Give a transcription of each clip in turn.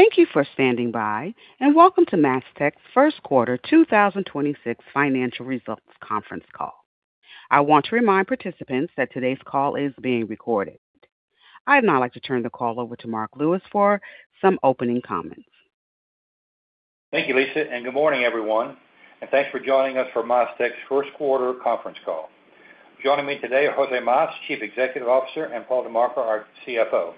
Thank you for standing by, and welcome to MasTec's First Quarter 2026 Financial Results conference call. I want to remind participants that today's call is being recorded. I'd now like to turn the call over to Marc Lewis for some opening comments. Thank you, Lisa. Good morning, everyone. Thanks for joining us for MasTec's first quarter conference call. Joining me today are José Mas, Chief Executive Officer, and Paul DiMarco, our CFO.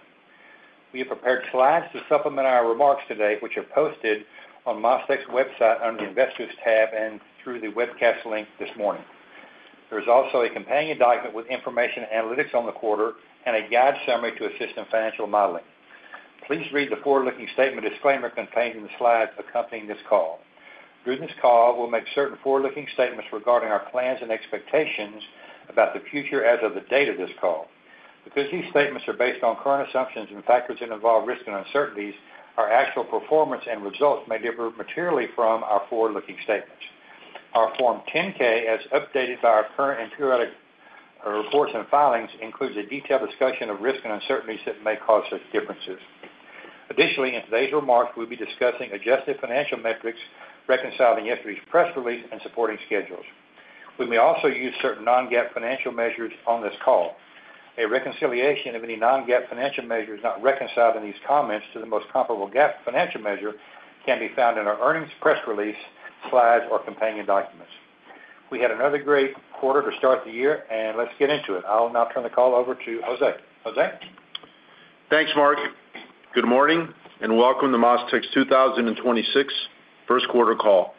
We have prepared slides to supplement our remarks today, which are posted on MasTec's website under the Investors tab and through the webcast link this morning. There's also a companion document with information analytics on the quarter and a guide summary to assist in financial modeling. Please read the forward-looking statement disclaimer contained in the slides accompanying this call. During this call, we'll make certain forward-looking statements regarding our plans and expectations about the future as of the date of this call. Because these statements are based on current assumptions and factors that involve risk and uncertainties, our actual performance and results may differ materially from our forward-looking statements. Our Form 10-K, as updated by our current and periodic reports and filings, includes a detailed discussion of risk and uncertainties that may cause such differences. Additionally, in today's remarks, we'll be discussing adjusted financial metrics, reconciling yesterday's press release and supporting schedules. We may also use certain non-GAAP financial measures on this call. A reconciliation of any non-GAAP financial measures not reconciled in these comments to the most comparable GAAP financial measure can be found in our earnings press release, slides, or companion documents. We had another great quarter to start the year, and let's get into it. I'll now turn the call over to José. José? Thanks, Marc. Good morning, and welcome to MasTec's 2026 first quarter call.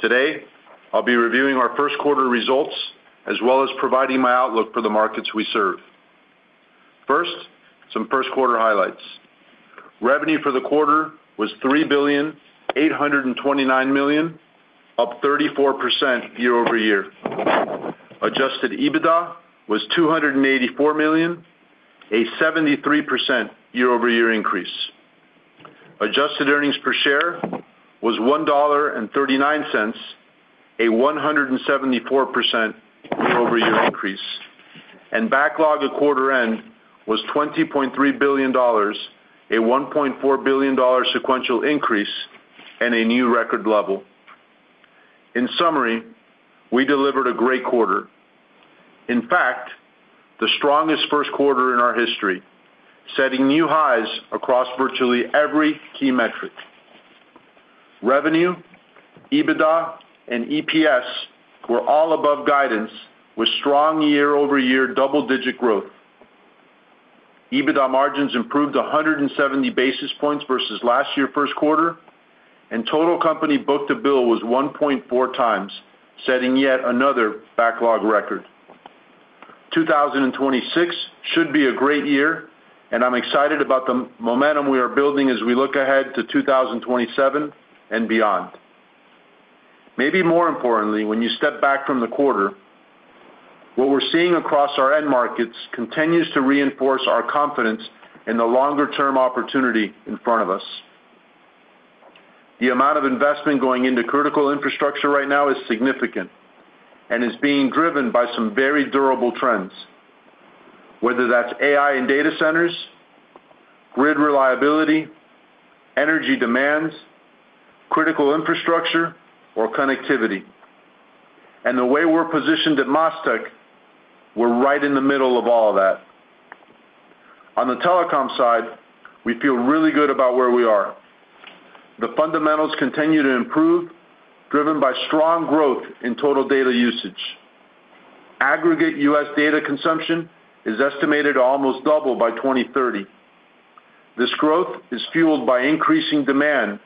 Today, I'll be reviewing our first quarter results as well as providing my outlook for the markets we serve. First, some first quarter highlights. Revenue for the quarter was $3.829 billion, up 34% year-over-year. Adjusted EBITDA was $284 million, a 73% year-over-year increase. Adjusted earnings per share was $1.39, a 174% year-over-year increase. Backlog at quarter-end was $20.3 billion, a $1.4 billion sequential increase and a new record level. In summary, we delivered a great quarter. In fact, the strongest first quarter in our history, setting new highs across virtually every key metric. Revenue, EBITDA, and EPS were all above guidance with strong year-over-year double-digit growth. EBITDA margins improved 170 basis points versus last year first quarter, and total company book-to-bill was 1.4x, setting yet another backlog record. 2026 should be a great year, and I'm excited about the momentum we are building as we look ahead to 2027 and beyond. Maybe more importantly, when you step back from the quarter, what we're seeing across our end markets continues to reinforce our confidence in the longer-term opportunity in front of us. The amount of investment going into critical infrastructure right now is significant and is being driven by some very durable trends, whether that's AI in data centers, grid reliability, energy demands, critical infrastructure, or connectivity. The way we're positioned at MasTec, we're right in the middle of all that. On the telecom side, we feel really good about where we are. The fundamentals continue to improve, driven by strong growth in total data usage. Aggregate U.S. data consumption is estimated to almost double by 2030. This growth is fueled by increasing demand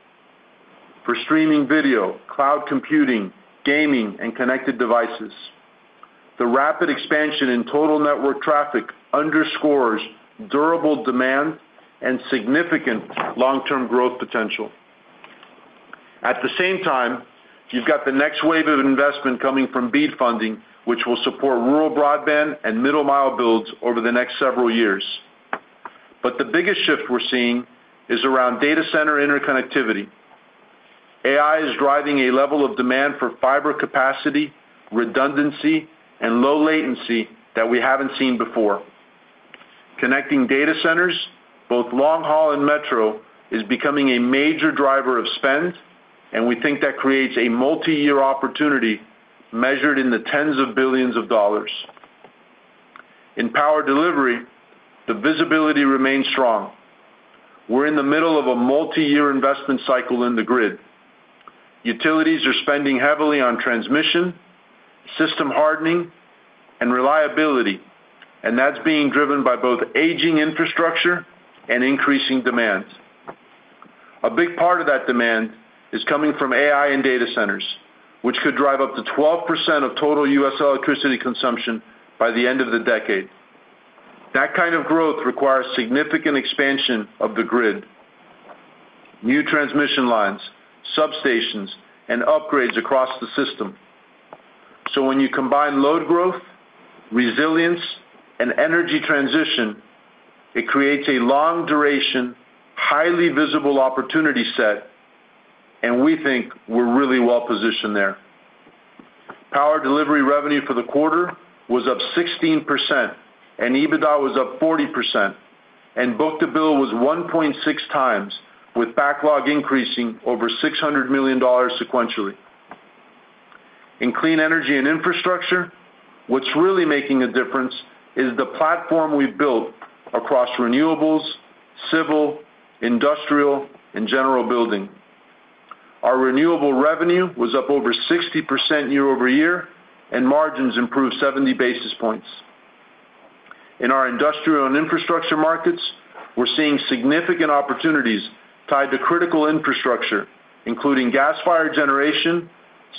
for streaming video, cloud computing, gaming, and connected devices. The rapid expansion in total network traffic underscores durable demand and significant long-term growth potential. At the same time, you've got the next wave of investment coming from BEAD funding, which will support rural broadband and middle mile builds over the next several years. The biggest shift we're seeing is around data center interconnectivity. AI is driving a level of demand for fiber capacity, redundancy, and low latency that we haven't seen before. Connecting data centers, both long haul and metro, is becoming a major driver of spend, and we think that creates a multi-year opportunity measured in the tens of billions of dollars. In Power Delivery, the visibility remains strong. We're in the middle of a multi-year investment cycle in the grid. Utilities are spending heavily on transmission, system hardening, and reliability, and that's being driven by both aging infrastructure and increasing demands. A big part of that demand is coming from AI and data centers, which could drive up to 12% of total U.S. electricity consumption by the end of the decade. That kind of growth requires significant expansion of the grid, new transmission lines, substations, and upgrades across the system. When you combine load growth, resilience, and energy transition, it creates a long duration, highly visible opportunity set, and we think we're really well positioned there. Power Delivery revenue for the quarter was up 16%, and EBITDA was up 40%, and book-to-bill was 1.6x, with backlog increasing over $600 million sequentially. In Clean Energy and Infrastructure, what's really making a difference is the platform we've built across renewables, civil, industrial, and general building. Our renewable revenue was up over 60% year-over-year, and margins improved 70 basis points. In our industrial and infrastructure markets, we're seeing significant opportunities tied to critical infrastructure, including gas-fired generation,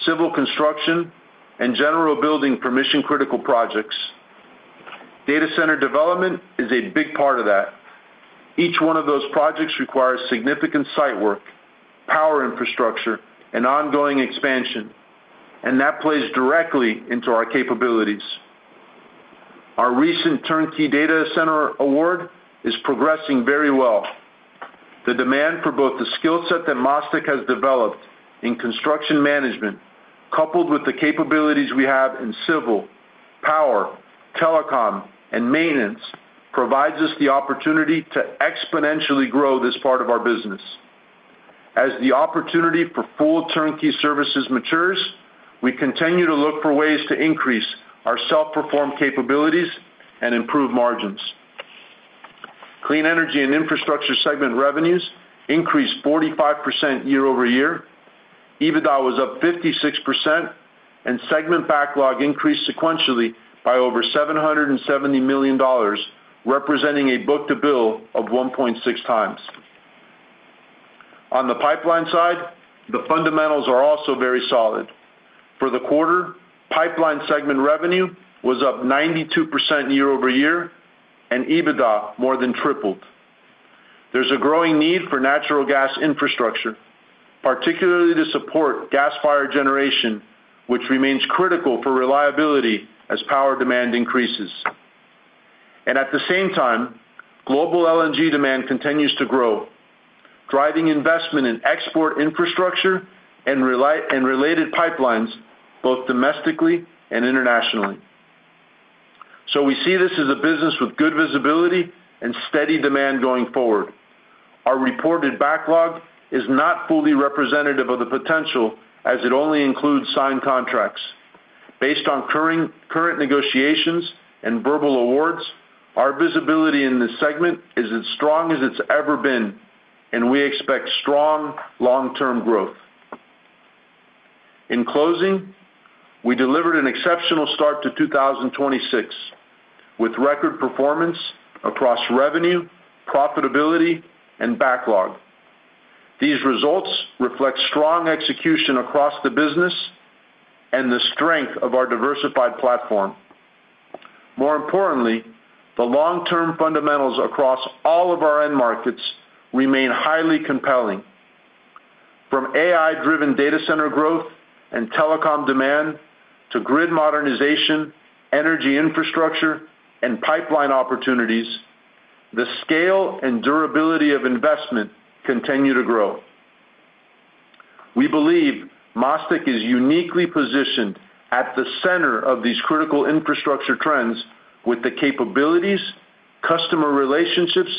civil construction, and general building for mission-critical projects. Data center development is a big part of that. Each one of those projects requires significant site work, power infrastructure, and ongoing expansion, and that plays directly into our capabilities. Our recent turnkey data center award is progressing very well. The demand for both the skill set that MasTec has developed in construction management, coupled with the capabilities we have in civil, power, telecom, and maintenance, provides us the opportunity to exponentially grow this part of our business. As the opportunity for full turnkey services matures, we continue to look for ways to increase our self-performed capabilities and improve margins. Clean Energy and Infrastructure segment revenues increased 45% year-over-year. EBITDA was up 56%, and segment backlog increased sequentially by over $770 million, representing a book-to-bill of 1.6x. On the pipeline side, the fundamentals are also very solid. For the quarter, Pipeline segment revenue was up 92% year-over-year, and EBITDA more than tripled. There's a growing need for natural gas infrastructure, particularly to support gas-fired generation, which remains critical for reliability as power demand increases. At the same time, global LNG demand continues to grow, driving investment in export infrastructure and related pipelines, both domestically and internationally. We see this as a business with good visibility and steady demand going forward. Our reported backlog is not fully representative of the potential, as it only includes signed contracts. Based on current negotiations and verbal awards, our visibility in this segment is as strong as it's ever been, and we expect strong long-term growth. In closing, we delivered an exceptional start to 2026, with record performance across revenue, profitability, and backlog. These results reflect strong execution across the business and the strength of our diversified platform. More importantly, the long-term fundamentals across all of our end markets remain highly compelling. From AI-driven data center growth and telecom demand to grid modernization, energy infrastructure, and pipeline opportunities, the scale and durability of investment continue to grow. We believe MasTec is uniquely positioned at the center of these critical infrastructure trends with the capabilities, customer relationships,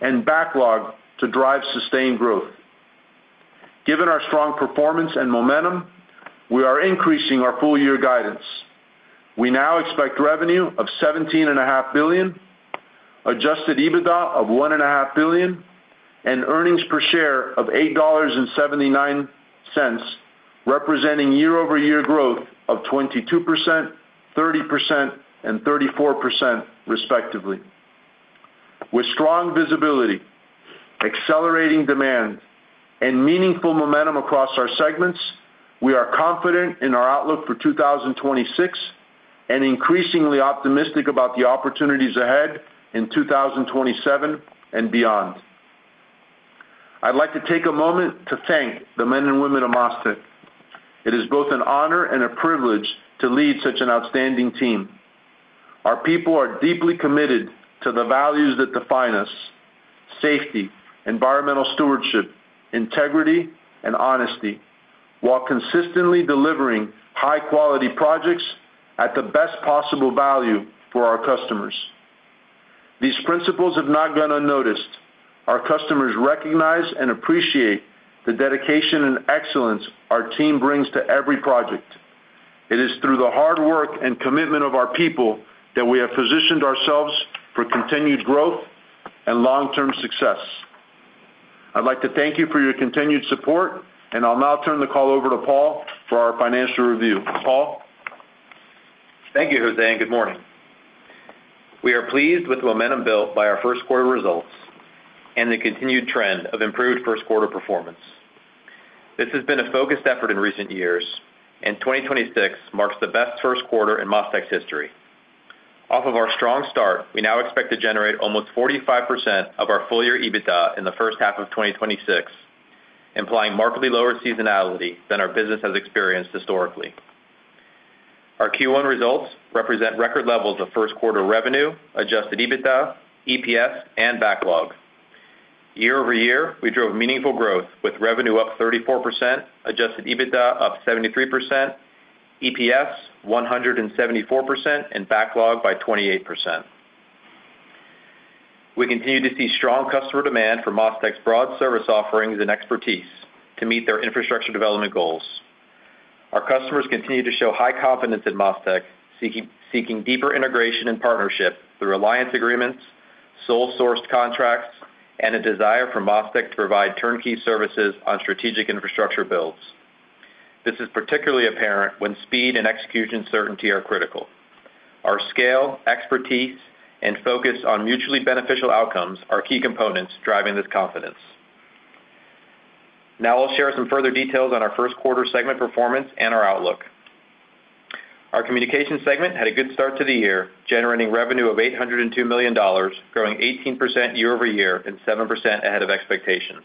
and backlog to drive sustained growth. Given our strong performance and momentum, we are increasing our full-year guidance. We now expect revenue of $17.5 billion, adjusted EBITDA of $1.5 billion, and earnings per share of $8.79, representing year-over-year growth of 22%, 30%, and 34% respectively. With strong visibility, accelerating demand, and meaningful momentum across our segments, we are confident in our outlook for 2026 and increasingly optimistic about the opportunities ahead in 2027 and beyond. I'd like to take a moment to thank the men and women of MasTec. It is both an honor and a privilege to lead such an outstanding team. Our people are deeply committed to the values that define us: safety, environmental stewardship, integrity, and honesty, while consistently delivering high-quality projects at the best possible value for our customers. These principles have not gone unnoticed. Our customers recognize and appreciate the dedication and excellence our team brings to every project. It is through the hard work and commitment of our people that we have positioned ourselves for continued growth and long-term success. I'd like to thank you for your continued support, and I'll now turn the call over to Paul for our financial review. Paul? Thank you, José, and good morning. We are pleased with the momentum built by our first quarter results and the continued trend of improved first quarter performance. This has been a focused effort in recent years, and 2026 marks the best first quarter in MasTec's history. Off of our strong start, we now expect to generate almost 45% of our full-year EBITDA in the first half of 2026, implying markedly lower seasonality than our business has experienced historically. Our Q1 results represent record levels of first quarter revenue, adjusted EBITDA, EPS, and backlog. Year-over-year, we drove meaningful growth with revenue up 34%, adjusted EBITDA up 73%, EPS 174%, and backlog by 28%. We continue to see strong customer demand for MasTec's broad service offerings and expertise to meet their infrastructure development goals. Our customers continue to show high confidence in MasTec, seeking deeper integration and partnership through alliance agreements, sole-sourced contracts, and a desire for MasTec to provide turnkey services on strategic infrastructure builds. This is particularly apparent when speed and execution certainty are critical. Our scale, expertise, and focus on mutually beneficial outcomes are key components driving this confidence. I'll share some further details on our first quarter segment performance and our outlook. Our Communications segment had a good start to the year, generating revenue of $802 million, growing 18% year-over-year and 7% ahead of expectations.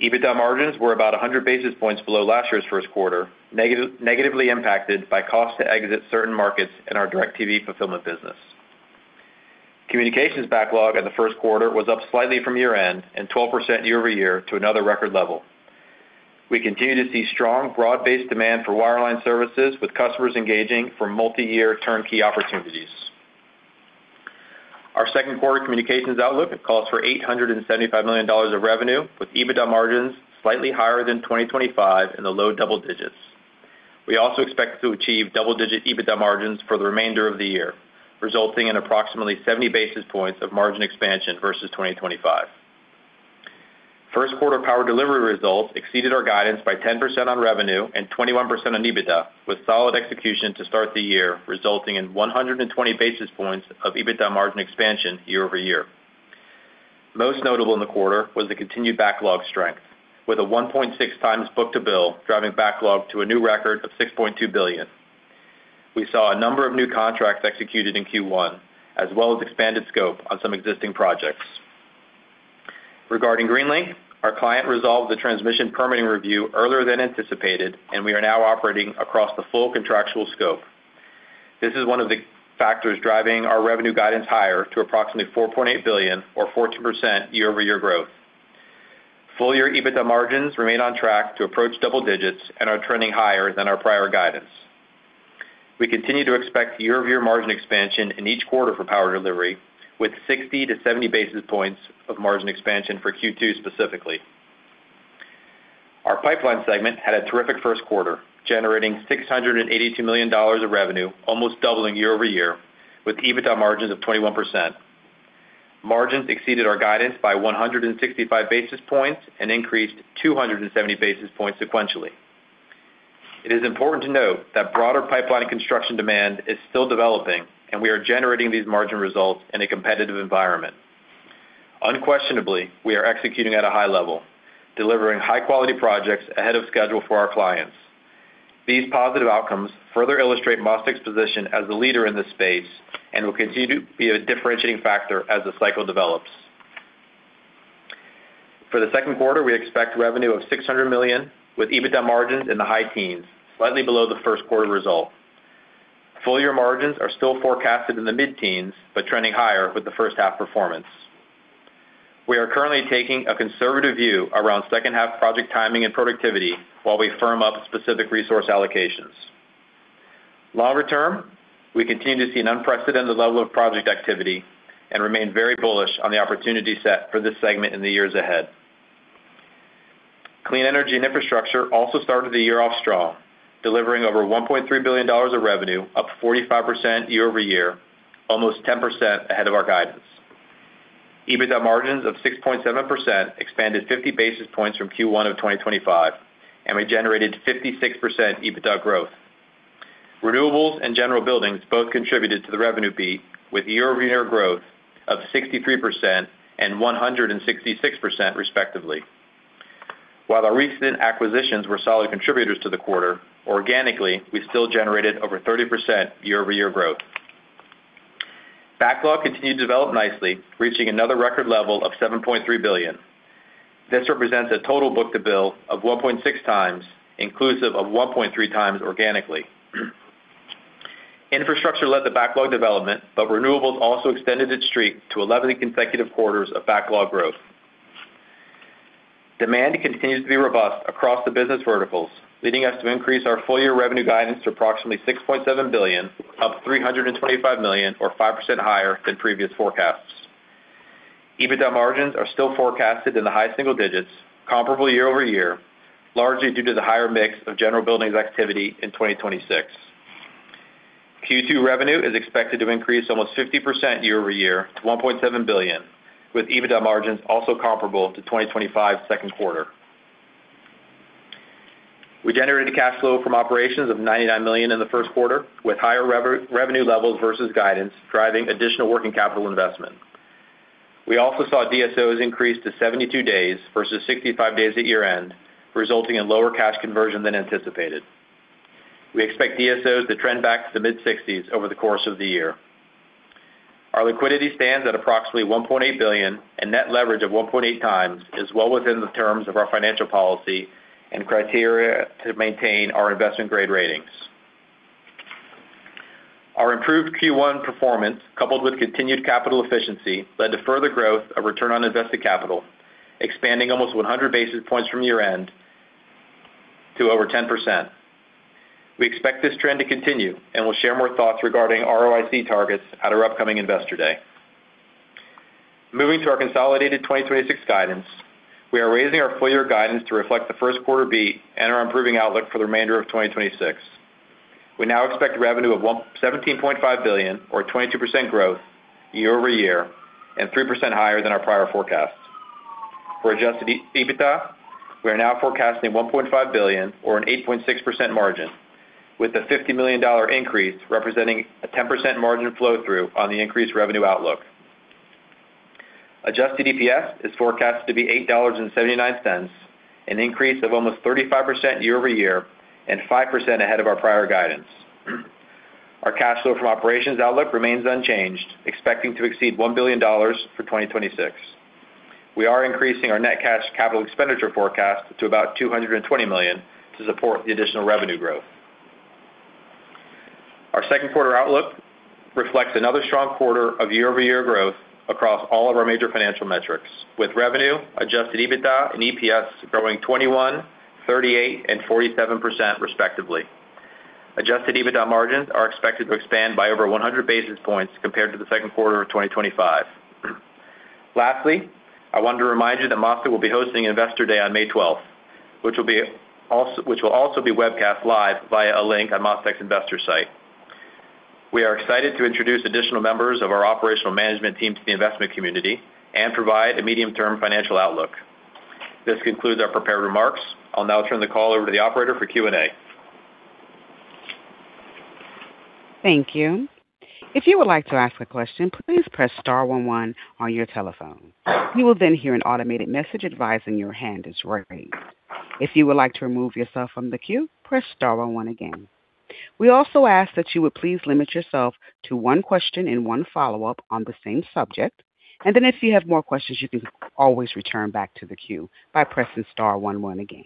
EBITDA margins were about 100 basis points below last year's first quarter, negatively impacted by cost to exit certain markets in our DIRECTV fulfillment business. Communications backlog in the first quarter was up slightly from year-end and 12% year-over-year to another record level. We continue to see strong broad-based demand for wireline services, with customers engaging for multiyear turnkey opportunities. Our second quarter Communications outlook calls for $875 million of revenue, with EBITDA margins slightly higher than 2025 in the low double digits. We also expect to achieve double-digit EBITDA margins for the remainder of the year, resulting in approximately 70 basis points of margin expansion versus 2025. First quarter Power Delivery results exceeded our guidance by 10% on revenue and 21% on EBITDA, with solid execution to start the year, resulting in 120 basis points of EBITDA margin expansion year-over-year. Most notable in the quarter was the continued backlog strength, with a 1.6x book-to-bill driving backlog to a new record of $6.2 billion. We saw a number of new contracts executed in Q1, as well as expanded scope on some existing projects. Regarding Greenlink, our client resolved the transmission permitting review earlier than anticipated, and we are now operating across the full contractual scope. This is one of the factors driving our revenue guidance higher to approximately $4.8 billion or 14% year-over-year growth. Full year EBITDA margins remain on track to approach double digits and are trending higher than our prior guidance. We continue to expect year-over-year margin expansion in each quarter for Power Delivery, with 60 to 70 basis points of margin expansion for Q2 specifically. Our pipeline segment had a terrific first quarter, generating $682 million of revenue, almost doubling year-over-year, with EBITDA margins of 21%. Margins exceeded our guidance by 165 basis points and increased 270 basis points sequentially. It is important to note that broader pipeline construction demand is still developing, and we are generating these margin results in a competitive environment. Unquestionably, we are executing at a high level, delivering high-quality projects ahead of schedule for our clients. These positive outcomes further illustrate MasTec's position as the leader in this space and will continue to be a differentiating factor as the cycle develops. For the second quarter, we expect revenue of $600 million, with EBITDA margins in the high teens, slightly below the first quarter result. Full year margins are still forecasted in the mid-teens but trending higher with the first half performance. We are currently taking a conservative view around second half project timing and productivity while we firm up specific resource allocations. Longer term, we continue to see an unprecedented level of project activity and remain very bullish on the opportunity set for this segment in the years ahead. Clean Energy and Infrastructure also started the year off strong, delivering over $1.3 billion of revenue, up 45% year-over-year, almost 10% ahead of our guidance. EBITDA margins of 6.7% expanded 50 basis points from Q1 of 2025, and we generated 56% EBITDA growth. Renewables and general buildings both contributed to the revenue beat with year-over-year growth of 63% and 166% respectively. While our recent acquisitions were solid contributors to the quarter, organically, we still generated over 30% year-over-year growth. Backlog continued to develop nicely, reaching another record level of $7.3 billion. This represents a total book-to-bill of 1.6x, inclusive of 1.3x organically. Infrastructure led the backlog development, but renewables also extended its streak to 11 consecutive quarters of backlog growth. Demand continues to be robust across the business verticals, leading us to increase our full year revenue guidance to approximately $6.7 billion, up $325 million or 5% higher than previous forecasts. EBITDA margins are still forecasted in the high single digits, comparable year-over-year, largely due to the higher mix of general buildings activity in 2026. Q2 revenue is expected to increase almost 50% year-over-year to $1.7 billion, with EBITDA margins also comparable to 2025 second quarter. We generated cash flow from operations of $99 million in the first quarter, with higher revenue levels versus guidance driving additional working capital investment. We also saw DSOs increase to 72 days versus 65 days at year-end, resulting in lower cash conversion than anticipated. We expect DSOs to trend back to the mid-60s over the course of the year. Our liquidity stands at approximately $1.8 billion, and net leverage of 1.8x is well within the terms of our financial policy and criteria to maintain our investment-grade ratings. Our improved Q1 performance, coupled with continued capital efficiency, led to further growth of return on invested capital, expanding almost 100 basis points from year-end to over 10%. We expect this trend to continue, and we'll share more thoughts regarding ROIC targets at our upcoming Investor Day. Moving to our consolidated 2026 guidance. We are raising our full year guidance to reflect the first quarter beat and our improving outlook for the remainder of 2026. We now expect revenue of $17.5 billion or 22% growth year-over-year and 3% higher than our prior forecast. For adjusted EBITDA, we are now forecasting $1.5 billion or an 8.6% margin, with a $50 million increase representing a 10% margin flow through on the increased revenue outlook. Adjusted EPS is forecast to be $8.79, an increase of almost 35% year-over-year and 5% ahead of our prior guidance. Our cash flow from operations outlook remains unchanged, expecting to exceed $1 billion for 2026. We are increasing our net cash capital expenditure forecast to about $220 million to support the additional revenue growth. Our second quarter outlook reflects another strong quarter of year-over-year growth across all of our major financial metrics, with revenue, adjusted EBITDA and EPS growing 21%, 38%, and 47% respectively. Adjusted EBITDA margins are expected to expand by over 100 basis points compared to the second quarter of 2025. Lastly, I want to remind you that MasTec will be hosting Investor Day on May 12th, which will also be webcast live via a link on MasTec's investor site. We are excited to introduce additional members of our operational management team to the investment community and provide a medium-term financial outlook. This concludes our prepared remarks. I'll now turn the call over to the operator for Q&A. Thank you. If you would like to ask a question, please press star one one on your telephone. You will then hear an automated message advising your hand is raised. If you would like to remove yourself from the queue, press star one one again. We also ask that you would please limit yourself to one question and one follow-up on the same subject. If you have more questions, you can always return back to the queue by pressing star one one again.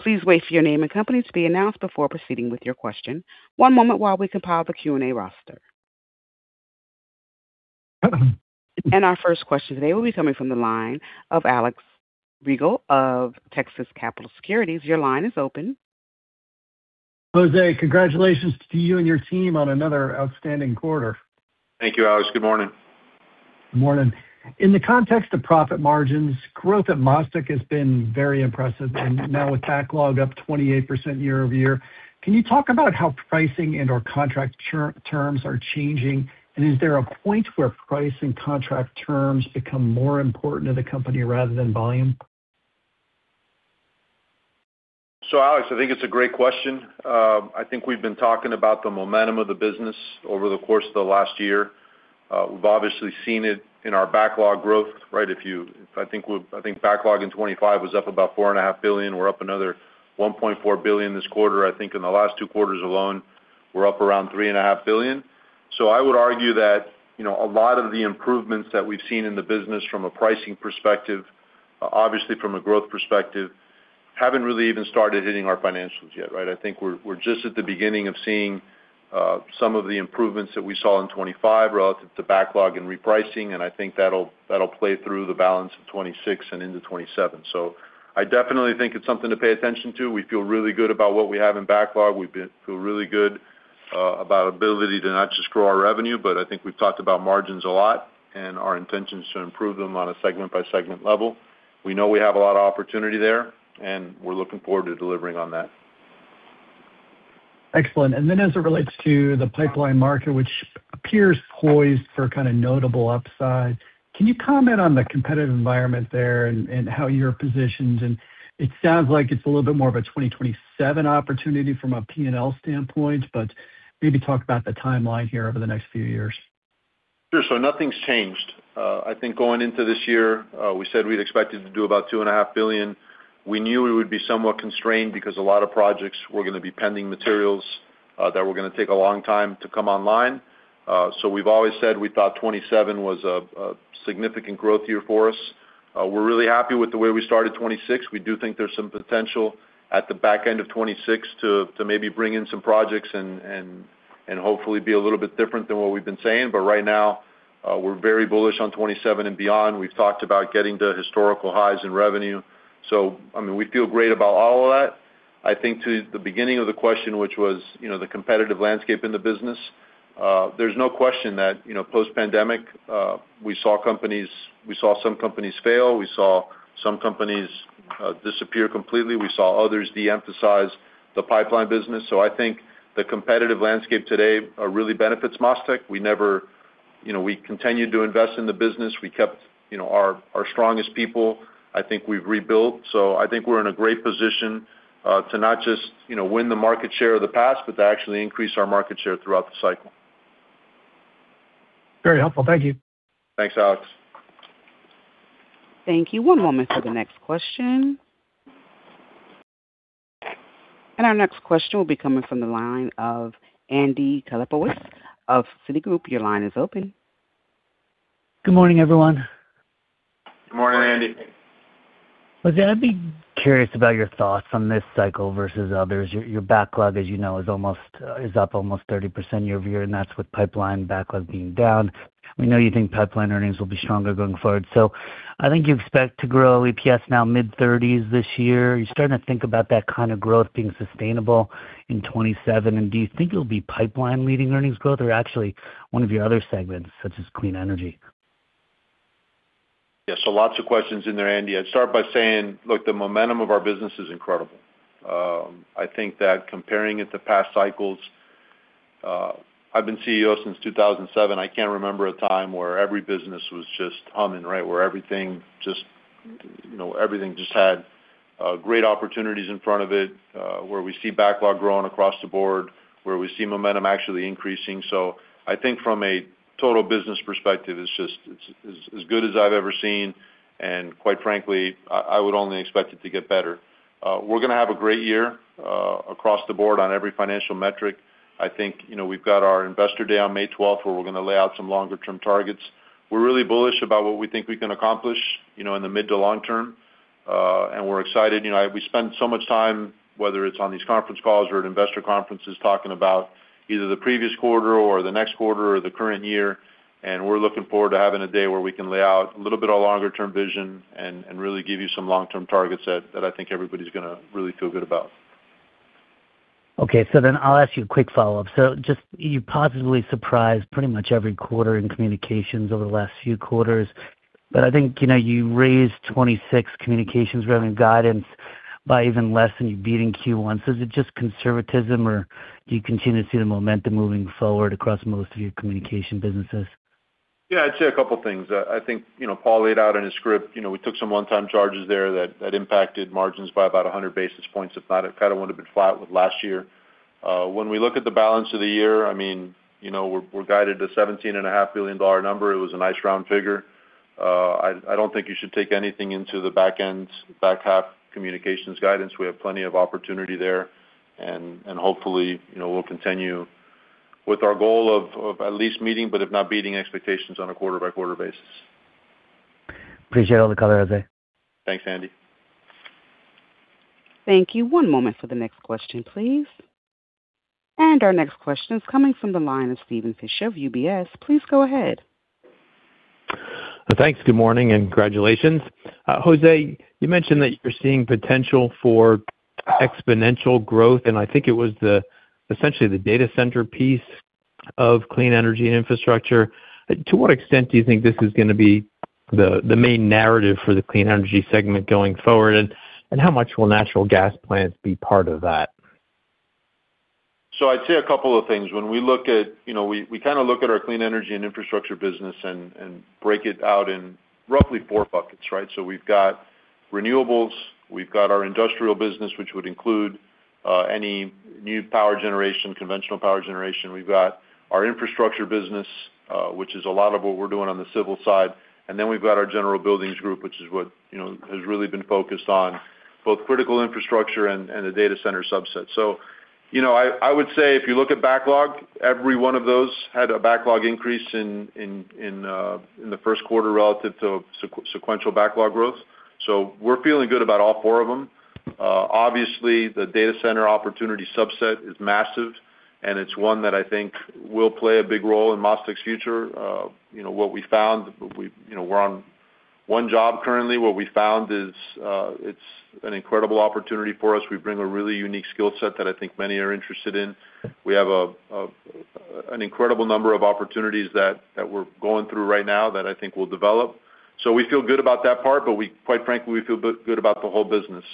Please wait for your name and company to be announced before proceeding with your question. One moment while we compile the Q&A roster. Our first question today will be coming from the line of Alex Rygiel of Texas Capital Securities. Your line is open. José, congratulations to you and your team on another outstanding quarter. Thank you, Alex. Good morning. Morning. In the context of profit margins, growth at MasTec has been very impressive. Now with backlog up 28% year-over-year, can you talk about how pricing and/or contract terms are changing? Is there a point where price and contract terms become more important to the company rather than volume? Alex, I think it's a great question. I think we've been talking about the momentum of the business over the course of the last year. We've obviously seen it in our backlog growth, right? I think backlog in 2025 was up about $4.5 billion. We're up another $1.4 billion this quarter. I think in the last two quarters alone, we're up around $3.5 billion? I would argue that, you know, a lot of the improvements that we've seen in the business from a pricing perspective, obviously from a growth perspective, haven't really even started hitting our financials yet, right? I think we're just at the beginning of seeing some of the improvements that we saw in 2025 relative to backlog and repricing, and I think that'll play through the balance of 2026 and into 2027. I definitely think it's something to pay attention to. We feel really good about what we have in backlog. We feel really good about ability to not just grow our revenue, but I think we've talked about margins a lot and our intentions to improve them on a segment by segment level. We know we have a lot of opportunity there, and we're looking forward to delivering on that. Excellent. As it relates to the pipeline market, which appears poised for kind of notable upside, can you comment on the competitive environment there and how you're positioned? It sounds like it's a little bit more of a 2027 opportunity from a P&L standpoint, maybe talk about the timeline here over the next few years. Sure. Nothing's changed. I think going into this year, we said we'd expected to do about $2.5 billion. We knew we would be somewhat constrained because a lot of projects were gonna be pending materials, that were gonna take a long time to come online. We've always said we thought 2027 was a significant growth year for us. We're really happy with the way we started 2026. We do think there's some potential at the back end of 2026 to maybe bring in some projects and hopefully be a little bit different than what we've been saying. Right now, we're very bullish on 2027 and beyond. We've talked about getting to historical highs in revenue. I mean, we feel great about all of that. I think to the beginning of the question, which was, you know, the competitive landscape in the business, there's no question that, you know, post-pandemic, we saw some companies fail, we saw some companies disappear completely. We saw others de-emphasize the pipeline business. I think the competitive landscape today really benefits MasTec. We never, you know, we continued to invest in the business. We kept, you know, our strongest people. I think we've rebuilt. I think we're in a great position to not just, you know, win the market share of the past, but to actually increase our market share throughout the cycle. Very helpful. Thank you. Thanks, Alex. Thank you. One moment for the next question. Our next question will be coming from the line of Andy Kaplowitz of Citigroup. Your line is open. Good morning, everyone. Good morning, Andy. José, I'd be curious about your thoughts on this cycle versus others. Your backlog, as you know, is almost is up almost 30% year-over-year, and that's with pipeline backlog being down. We know you think pipeline earnings will be stronger going forward. I think you expect to grow EPS now mid-30s this year. Are you starting to think about that kind of growth being sustainable in 2027? Do you think it'll be pipeline leading earnings growth or actually one of your other segments, such as Clean Energy? Yeah. Lots of questions in there, Andy. I'd start by saying, look, the momentum of our business is incredible. I think that comparing it to past cycles, I've been CEO since 2007, I can't remember a time where every business was just humming, right? Where everything just, you know, had great opportunities in front of it, where we see backlog growing across the board, where we see momentum actually increasing. I think from a total business perspective, it's as good as I've ever seen, and quite frankly, I would only expect it to get better. We're gonna have a great year across the board on every financial metric. I think, you know, we've got our Investor Day on May 12th, where we're gonna lay out some longer term targets. We're really bullish about what we think we can accomplish, you know, in the mid to long term, and we're excited. You know, we spend so much time, whether it's on these conference calls or at investor conferences, talking about either the previous quarter or the next quarter or the current year. We're looking forward to having a day where we can lay out a little bit of longer term vision, and really give you some long-term targets that I think everybody's gonna really feel good about. Okay. I'll ask you a quick follow-up. Just you positively surprised pretty much every quarter in Communications over the last few quarters. I think, you know, you raised 2026 Communications revenue guidance by even less than you beat in Q1. Is it just conservatism, or do you continue to see the momentum moving forward across most of your Communication businesses? Yeah. I'd say a couple of things. I think, you know, Paul laid out in his script, you know, we took some one-time charges there that impacted margins by about 100 basis points. If not, it kinda would have been flat with last year. When we look at the balance of the year, I mean, you know, we're guided to a $17.5 billion number. It was a nice round figure. I don't think you should take anything into the back half Communications guidance. We have plenty of opportunity there, and hopefully, you know, we'll continue with our goal of at least meeting, but if not beating expectations on a quarter-by-quarter basis. Appreciate all the color, José. Thanks, Andy. Thank you. One moment for the next question, please. Our next question is coming from the line of Steven Fisher of UBS. Please go ahead. Thanks. Good morning, and congratulations. José, you mentioned that you're seeing potential for exponential growth, and I think it was essentially the data center piece of Clean Energy and Infrastructure. To what extent do you think this is going to be the main narrative for the clean energy segment going forward, and how much will natural gas plants be part of that? I'd say a couple of things. When we look at, you know, we kinda look at our Clean Energy and Infrastructure business and break it out in roughly four buckets, right? We've got renewables, we've got our industrial business, which would include any new power generation, conventional power generation. We've got our infrastructure business, which is a lot of what we're doing on the civil side. We've got our general buildings group, which is what, you know, has really been focused on both critical infrastructure and the data center subset. You know, I would say if you look at backlog, every one of those had a backlog increase in the first quarter relative to sequential backlog growth. We're feeling good about all four of them. Obviously, the data center opportunity subset is massive, and it's one that I think will play a big role in MasTec's future. You know, what we found, you know, we're on one job currently. What we found is, it's an incredible opportunity for us. We bring a really unique skill set that I think many are interested in. We have an incredible number of opportunities that we're going through right now that I think will develop. We feel good about that part, but we quite frankly, we feel good about the whole business.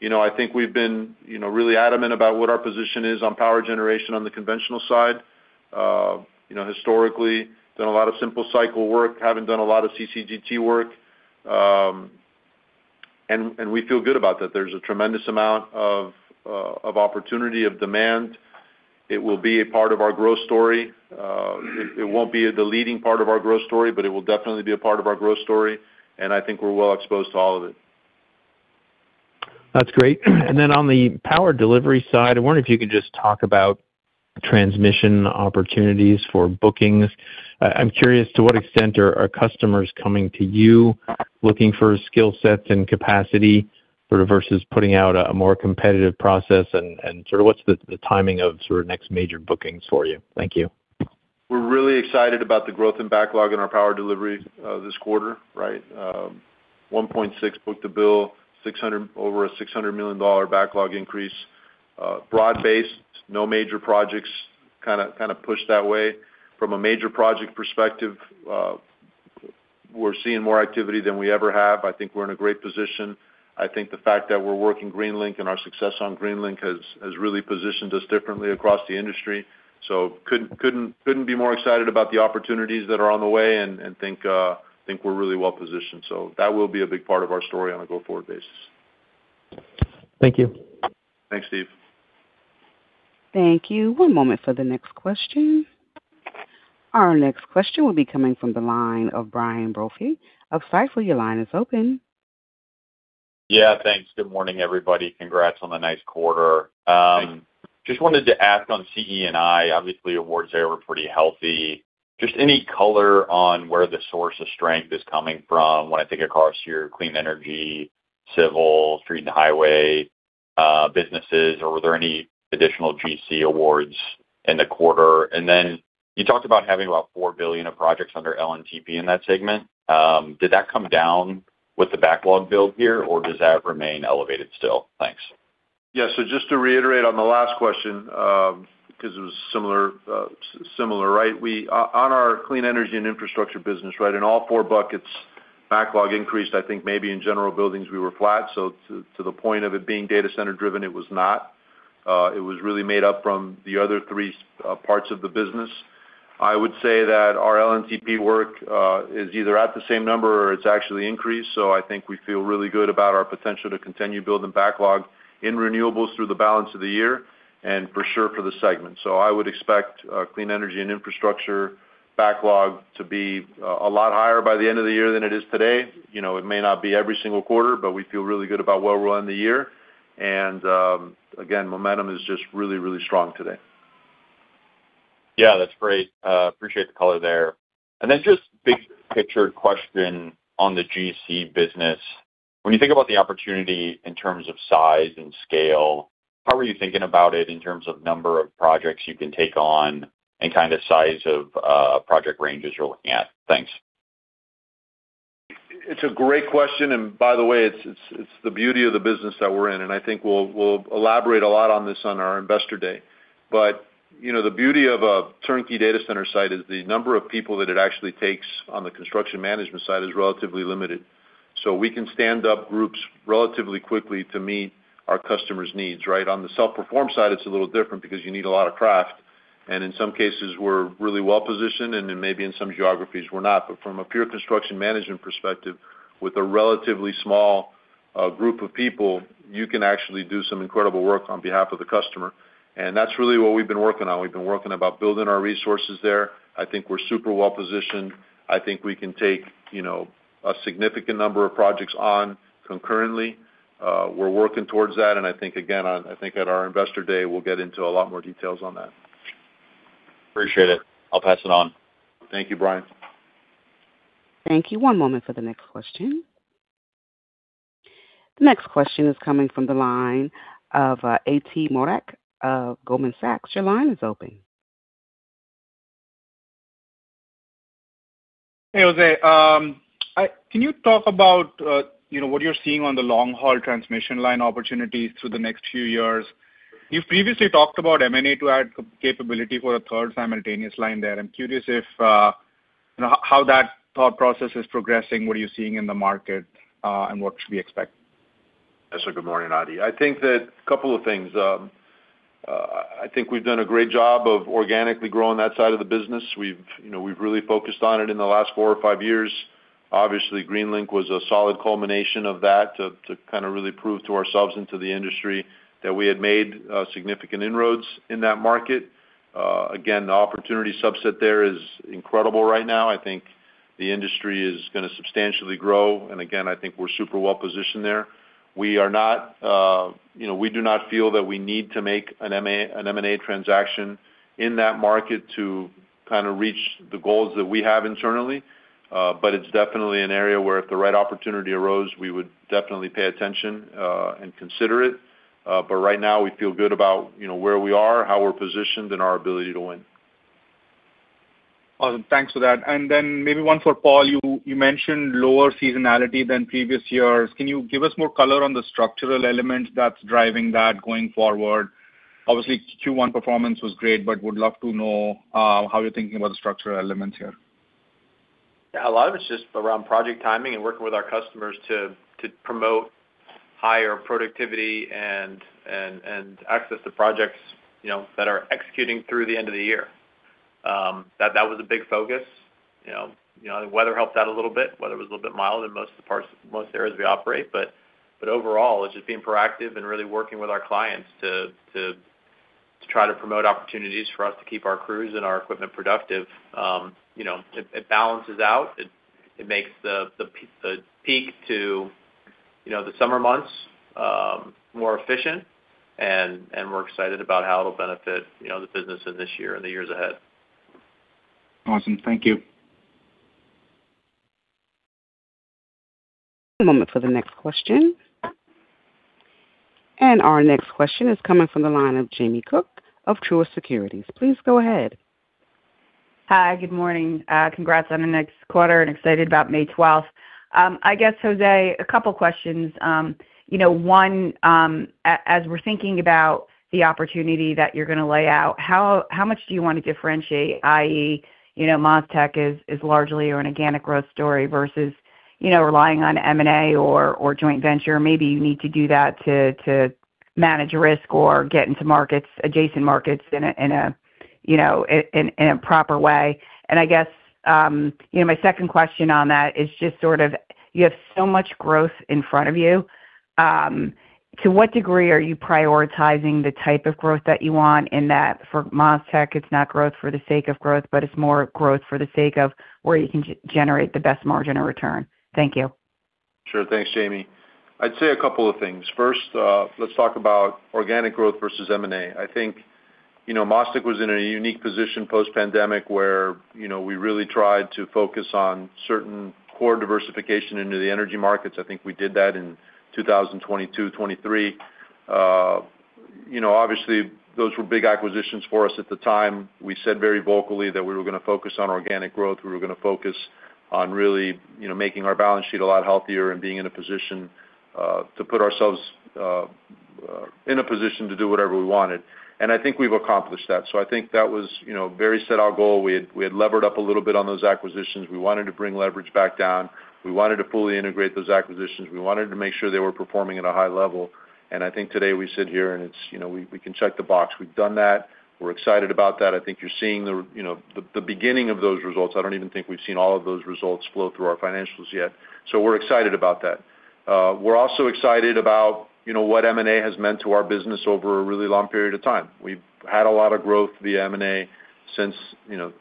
You know, I think we've been, you know, really adamant about what our position is on power generation on the conventional side. You know, historically done a lot of simple cycle work, haven't done a lot of CCGT work, and we feel good about that. There's a tremendous amount of opportunity, of demand. It will be a part of our growth story. It won't be the leading part of our growth story, but it will definitely be a part of our growth story, and I think we're well exposed to all of it. That's great. Then on the Power Delivery side, I wonder if you could just talk about transmission opportunities for bookings. I'm curious to what extent are customers coming to you looking for skill sets and capacity sort of versus putting out a more competitive process, and sort of what's the timing of sort of next major bookings for you? Thank you. We're really excited about the growth and backlog in our Power Delivery this quarter, right? 1.6 book-to-bill, over a $600 million backlog increase. Broad-based, no major projects kinda pushed that way. From a major project perspective, we're seeing more activity than we ever have. I think we're in a great position. I think the fact that we're working Greenlink and our success on Greenlink has really positioned us differently across the industry. Couldn't be more excited about the opportunities that are on the way and think we're really well-positioned. That will be a big part of our story on a go-forward basis. Thank you. Thanks, Steve. Thank you. One moment for the next question. Our next question will be coming from the line of Brian Brophy of Stifel. Your line is open. Yeah, thanks. Good morning, everybody. Congrats on the nice quarter. Just wanted to ask on CE&I. Obviously, awards there were pretty healthy. Just any color on where the source of strength is coming from when I think across your clean energy, civil, street and highway businesses or were there any additional GC awards in the quarter? You talked about having about $4 billion of projects under LNTP in that segment. Did that come down with the backlog build here, or does that remain elevated still? Thanks. Yeah. Just to reiterate on the last question, 'cause it was similar, right? On our Clean Energy and Infrastructure business, right, in all four buckets, backlog increased. I think maybe in general buildings, we were flat. To the point of it being data center driven, it was not. It was really made up from the other three parts of the business. I would say that our LNTP work is either at the same number or it's actually increased. I think we feel really good about our potential to continue building backlog in renewables through the balance of the year and for sure for the segment. I would expect Clean Energy and Infrastructure backlog to be a lot higher by the end of the year than it is today. You know, it may not be every single quarter, but we feel really good about where we're in the year. Again momentum is just really, really strong today. Yeah, that's great. Appreciate the color there. Just big picture question on the GC business. When you think about the opportunity in terms of size and scale, how are you thinking about it in terms of number of projects you can take on and kind of size of project ranges you're looking at? Thanks. It's a great question. By the way, it's the beauty of the business that we're in. I think we'll elaborate a lot on this on our Investor Day. You know, the beauty of a turnkey data center site is the number of people that it actually takes on the construction management side is relatively limited. We can stand up groups relatively quickly to meet our customers' needs, right? On the self-perform side, it's a little different because you need a lot of craft, and in some cases we're really well-positioned, and then maybe in some geographies we're not. From a pure construction management perspective, with a relatively small group of people, you can actually do some incredible work on behalf of the customer. That's really what we've been working on. We've been working about building our resources there. I think we're super well-positioned. I think we can take, you know, a significant number of projects on concurrently. We're working towards that. I think, again, I think at our Investor Day, we'll get into a lot more details on that. Appreciate it. I'll pass it on. Thank you, Brian. Thank you. One moment for the next question. The next question is coming from the line of Ati Modak of Goldman Sachs. Your line is open. Hey, José. Can you talk about, you know, what you're seeing on the long-haul transmission line opportunities through the next few years? You previously talked about M&A to add capability for a third simultaneous line there. I'm curious if, you know, how that thought process is progressing, what are you seeing in the market, and what should we expect? Good morning, Ati. I think that a couple of things. I think we've done a great job of organically growing that side of the business. We've, you know, we've really focused on it in the last four or five years. Obviously, Greenlink was a solid culmination of that to kinda really prove to ourselves and to the industry that we had made significant inroads in that market. Again, the opportunity subset there is incredible right now. I think the industry is gonna substantially grow. Again, I think we're super well-positioned there. We are not, you know, we do not feel that we need to make an M&A transaction in that market to kinda reach the goals that we have internally. It's definitely an area where if the right opportunity arose, we would definitely pay attention and consider it. Right now we feel good about, you know, where we are, how we're positioned, and our ability to win. Awesome. Thanks for that. Maybe one for Paul. You mentioned lower seasonality than previous years. Can you give us more color on the structural element that's driving that going forward? Obviously, Q1 performance was great. Would love to know how you're thinking about the structural elements here. Yeah. A lot of it's just around project timing and working with our customers to promote higher productivity and, and access to projects, you know, that are executing through the end of the year. That, that was a big focus. You know, you know, the weather helped out a little bit. Weather was a little bit mild in most of the most areas we operate. Overall, it's just being proactive and really working with our clients to, to try to promote opportunities for us to keep our crews and our equipment productive. You know, it balances out. It, it makes the peak to, you know, the summer months, more efficient, and we're excited about how it'll benefit, you know, the business in this year and the years ahead. Awesome. Thank you. One moment for the next question. Our next question is coming from the line of Jamie Cook of Truist Securities. Please go ahead. Hi. Good morning. Congrats on the next quarter and excited about May 12th. I guess, José, a couple questions. You know, one, as we're thinking about the opportunity that you're gonna lay out, how much do you wanna differentiate, i.e., you know, MasTec is largely an organic growth story versus, you know, relying on M&A or joint venture. Maybe you need to do that to manage risk or get into markets, adjacent markets in a, you know, in a proper way. I guess, you know, my second question on that is just sort of you have so much growth in front of you, to what degree are you prioritizing the type of growth that you want in that for MasTec, it's not growth for the sake of growth, but it's more growth for the sake of where you can generate the best margin of return? Thank you. Sure. Thanks, Jamie. I'd say a couple of things. First, let's talk about organic growth versus M&A. I think, you know, MasTec was in a unique position post-pandemic where, you know, we really tried to focus on certain core diversification into the energy markets. I think we did that in 2022, 2023. You know, obviously those were big acquisitions for us at the time. We said very vocally that we were gonna focus on organic growth. We were gonna focus on really, you know, making our balance sheet a lot healthier and being in a position to put ourselves in a position to do whatever we wanted. I think we've accomplished that. I think that was, you know, Barry set our goal. We had levered up a little bit on those acquisitions. We wanted to bring leverage back down. We wanted to fully integrate those acquisitions. We wanted to make sure they were performing at a high level. I think today we sit here and it's, you know, we can check the box. We've done that. We're excited about that. I think you're seeing the, you know, the beginning of those results. I don't even think we've seen all of those results flow through our financials yet. We're excited about that. We're also excited about, you know, what M&A has meant to our business over a really long period of time. We've had a lot of growth via M&A since, you know,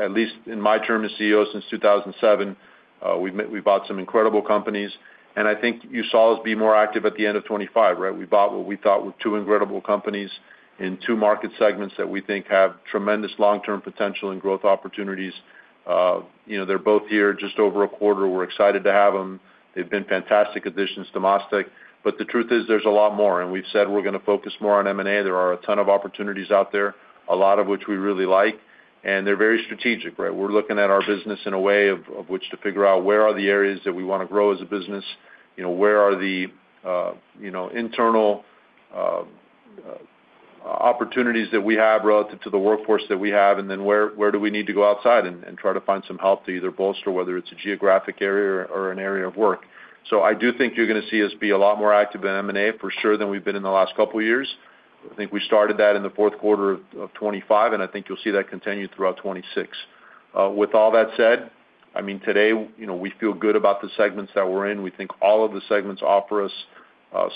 at least in my term as CEO since 2007. We've bought some incredible companies. I think you saw us be more active at the end of 2025, right? We bought what we thought were two incredible companies in two market segments that we think have tremendous long-term potential and growth opportunities. you know, they're both here just over a quarter. We're excited to have them. They've been fantastic additions to MasTec. The truth is there's a lot more, and we've said we're gonna focus more on M&A. There are a ton of opportunities out there, a lot of which we really like, and they're very strategic, right? We're looking at our business in a way of which to figure out where are the areas that we wanna grow as a business. You know, where are the, you know, internal opportunities that we have relative to the workforce that we have, and then where do we need to go outside and try to find some help to either bolster whether it's a geographic area or an area of work. I do think you're gonna see us be a lot more active in M&A for sure than we've been in the last couple years. I think we started that in the fourth quarter of 2025, and I think you'll see that continue throughout 2026. With all that said, I mean, today, you know, we feel good about the segments that we're in. We think all of the segments offer us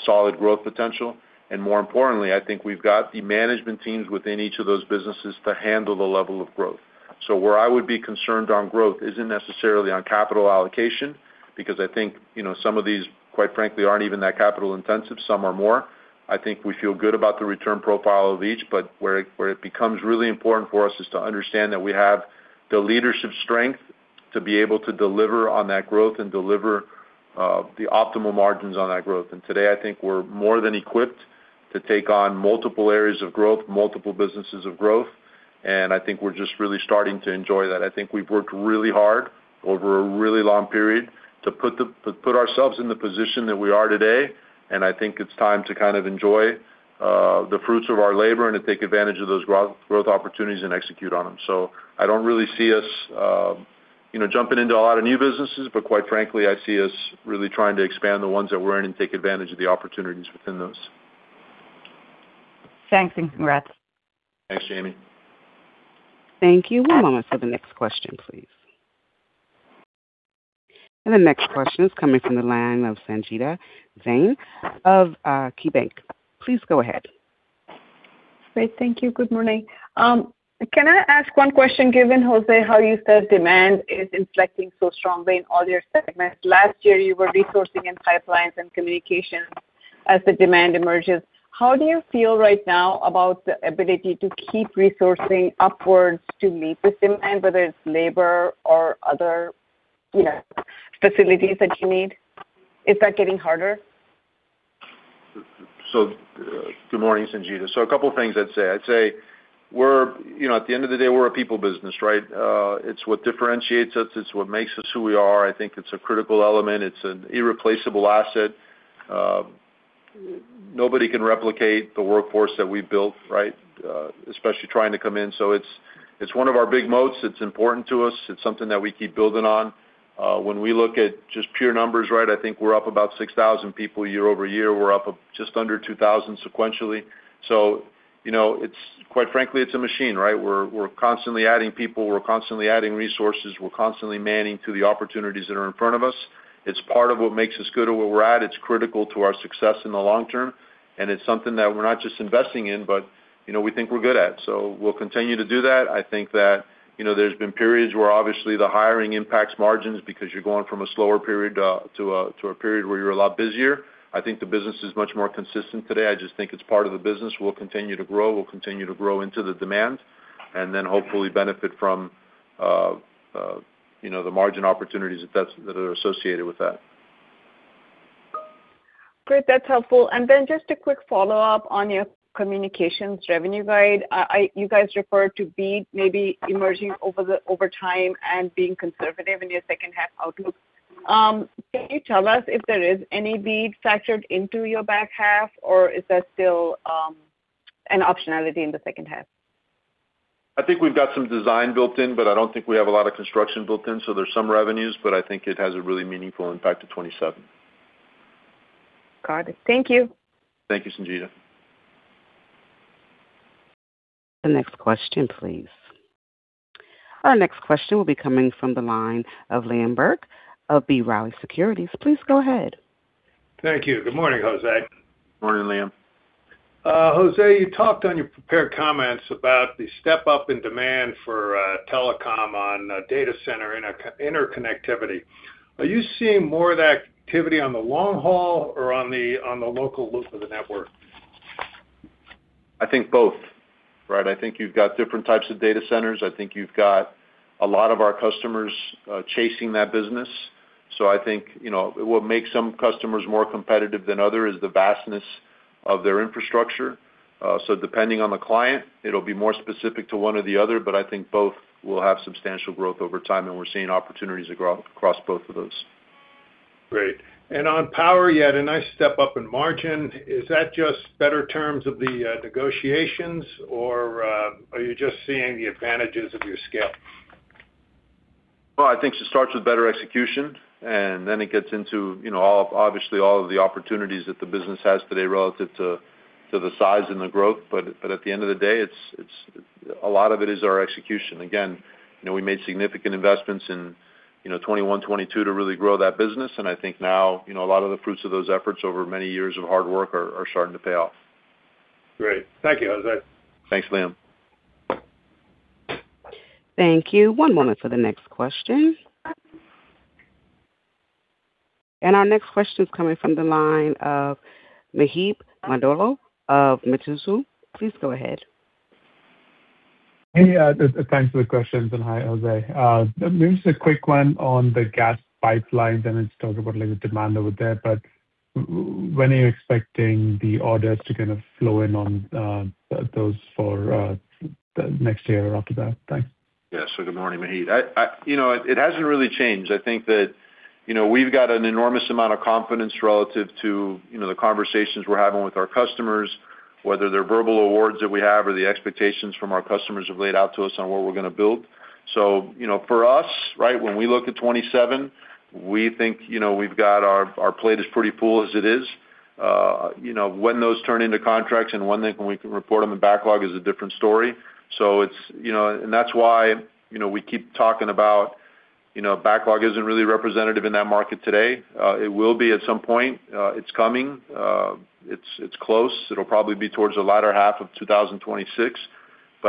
solid growth potential. More importantly, I think we've got the management teams within each of those businesses to handle the level of growth. Where I would be concerned on growth isn't necessarily on capital allocation because I think, you know, some of these, quite frankly, aren't even that capital intensive. Some are more. I think we feel good about the return profile of each, but where it becomes really important for us is to understand that we have the leadership strength to be able to deliver on that growth and deliver the optimal margins on that growth. Today, I think we're more than equipped to take on multiple areas of growth, multiple businesses of growth, and I think we're just really starting to enjoy that. I think we've worked really hard over a really long period to put ourselves in the position that we are today, and I think it's time to kind of enjoy the fruits of our labor and to take advantage of those growth opportunities and execute on them. I don't really see us, you know, jumping into a lot of new businesses, but quite frankly, I see us really trying to expand the ones that we're in and take advantage of the opportunities within those. Thanks, and congrats. Thanks, Jamie. Thank you. One moment for the next question, please. The next question is coming from the line of Sangita Jain of KeyBanc. Please go ahead. Great. Thank you. Good morning. Can I ask 1 question, given, José, how you said demand is inflecting so strongly in all your segments. Last year, you were resourcing in pipelines and Communications as the demand emerges. How do you feel right now about the ability to keep resourcing upwards to meet this demand, whether it's labor or other, you know, facilities that you need? Is that getting harder? Good morning, Sangita. A couple things I'd say. I'd say, you know, at the end of the day, we're a people business, right? It's what differentiates us. It's what makes us who we are. I think it's a critical element. It's an irreplaceable asset. Nobody can replicate the workforce that we've built, right? Especially trying to come in. It's one of our big moats. It's important to us. It's something that we keep building on. When we look at just pure numbers, right, I think we're up about 6,000 people year-over-year. We're up just under 2,000 sequentially. You know, quite frankly, it's a machine, right? We're constantly adding people. We're constantly adding resources. We're constantly manning to the opportunities that are in front of us. It's part of what makes us good at what we're at. It's critical to our success in the long term, and it's something that we're not just investing in, but, you know, we think we're good at. We'll continue to do that. I think that, you know, there's been periods where obviously the hiring impacts margins because you're going from a slower period to a period where you're a lot busier. I think the business is much more consistent today. I just think it's part of the business. We'll continue to grow. We'll continue to grow into the demand and then hopefully benefit from, you know, the margin opportunities that are associated with that. Great. That's helpful. Just a quick follow-up on your Communications revenue guide. You guys referred to BEAD maybe emerging over time and being conservative in your second half outlook. Can you tell us if there is any BEAD factored into your back half, or is there still an optionality in the second half? I think we've got some design built in, but I don't think we have a lot of construction built in, so there's some revenues, but I think it has a really meaningful impact to 2027. Got it. Thank you. Thank you, Sangita. The next question, please. Our next question will be coming from the line of Liam Burke of B. Riley Securities. Please go ahead. Thank you. Good morning, José. Morning, Liam. José, you talked on your prepared comments about the step up in demand for telecom on data center interconnectivity. Are you seeing more of that activity on the long haul or on the local loop of the network? I think both, right? I think you've got different types of data centers. I think you've got a lot of our customers, chasing that business. I think, you know, what makes some customers more competitive than others is the vastness of their infrastructure. Depending on the client, it'll be more specific to one or the other, but I think both will have substantial growth over time, and we're seeing opportunities to grow across both of those. Great. On power, you had a nice step up in margin. Is that just better terms of the negotiations, or are you just seeing the advantages of your scale? Well, I think it starts with better execution, then it gets into, you know, obviously all of the opportunities that the business has today relative to the size and the growth. At the end of the day, it's a lot of it is our execution. Again, you know, we made significant investments in, you know, 2021, 2022 to really grow that business, I think now, you know, a lot of the fruits of those efforts over many years of hard work are starting to pay off. Great. Thank you, José. Thanks, Liam. Thank you. One moment for the next question. Our next question is coming from the line of Maheep Mandloi of Mizuho. Please go ahead. Hey, thanks for the questions. Hi, José. Maybe just a quick one on the gas pipelines. It's talking about like the demand over there. When are you expecting the orders to kind of flow in on those for the next year or after that? Thanks. Good morning, Maheep. I, you know what? It hasn't really changed. I think that, you know, we've got an enormous amount of confidence relative to, you know, the conversations we're having with our customers, whether they're verbal awards that we have or the expectations from our customers have laid out to us on what we're gonna build. You know, for us, right, when we look at 2027, we think, you know, we've got our plate is pretty full as it is. You know, when those turn into contracts and when we can report them in backlog is a different story. It's, you know, that's why, you know, we keep talking about, you know, backlog isn't really representative in that market today. It will be at some point. It's coming. It's close. It'll probably be towards the latter half of 2026.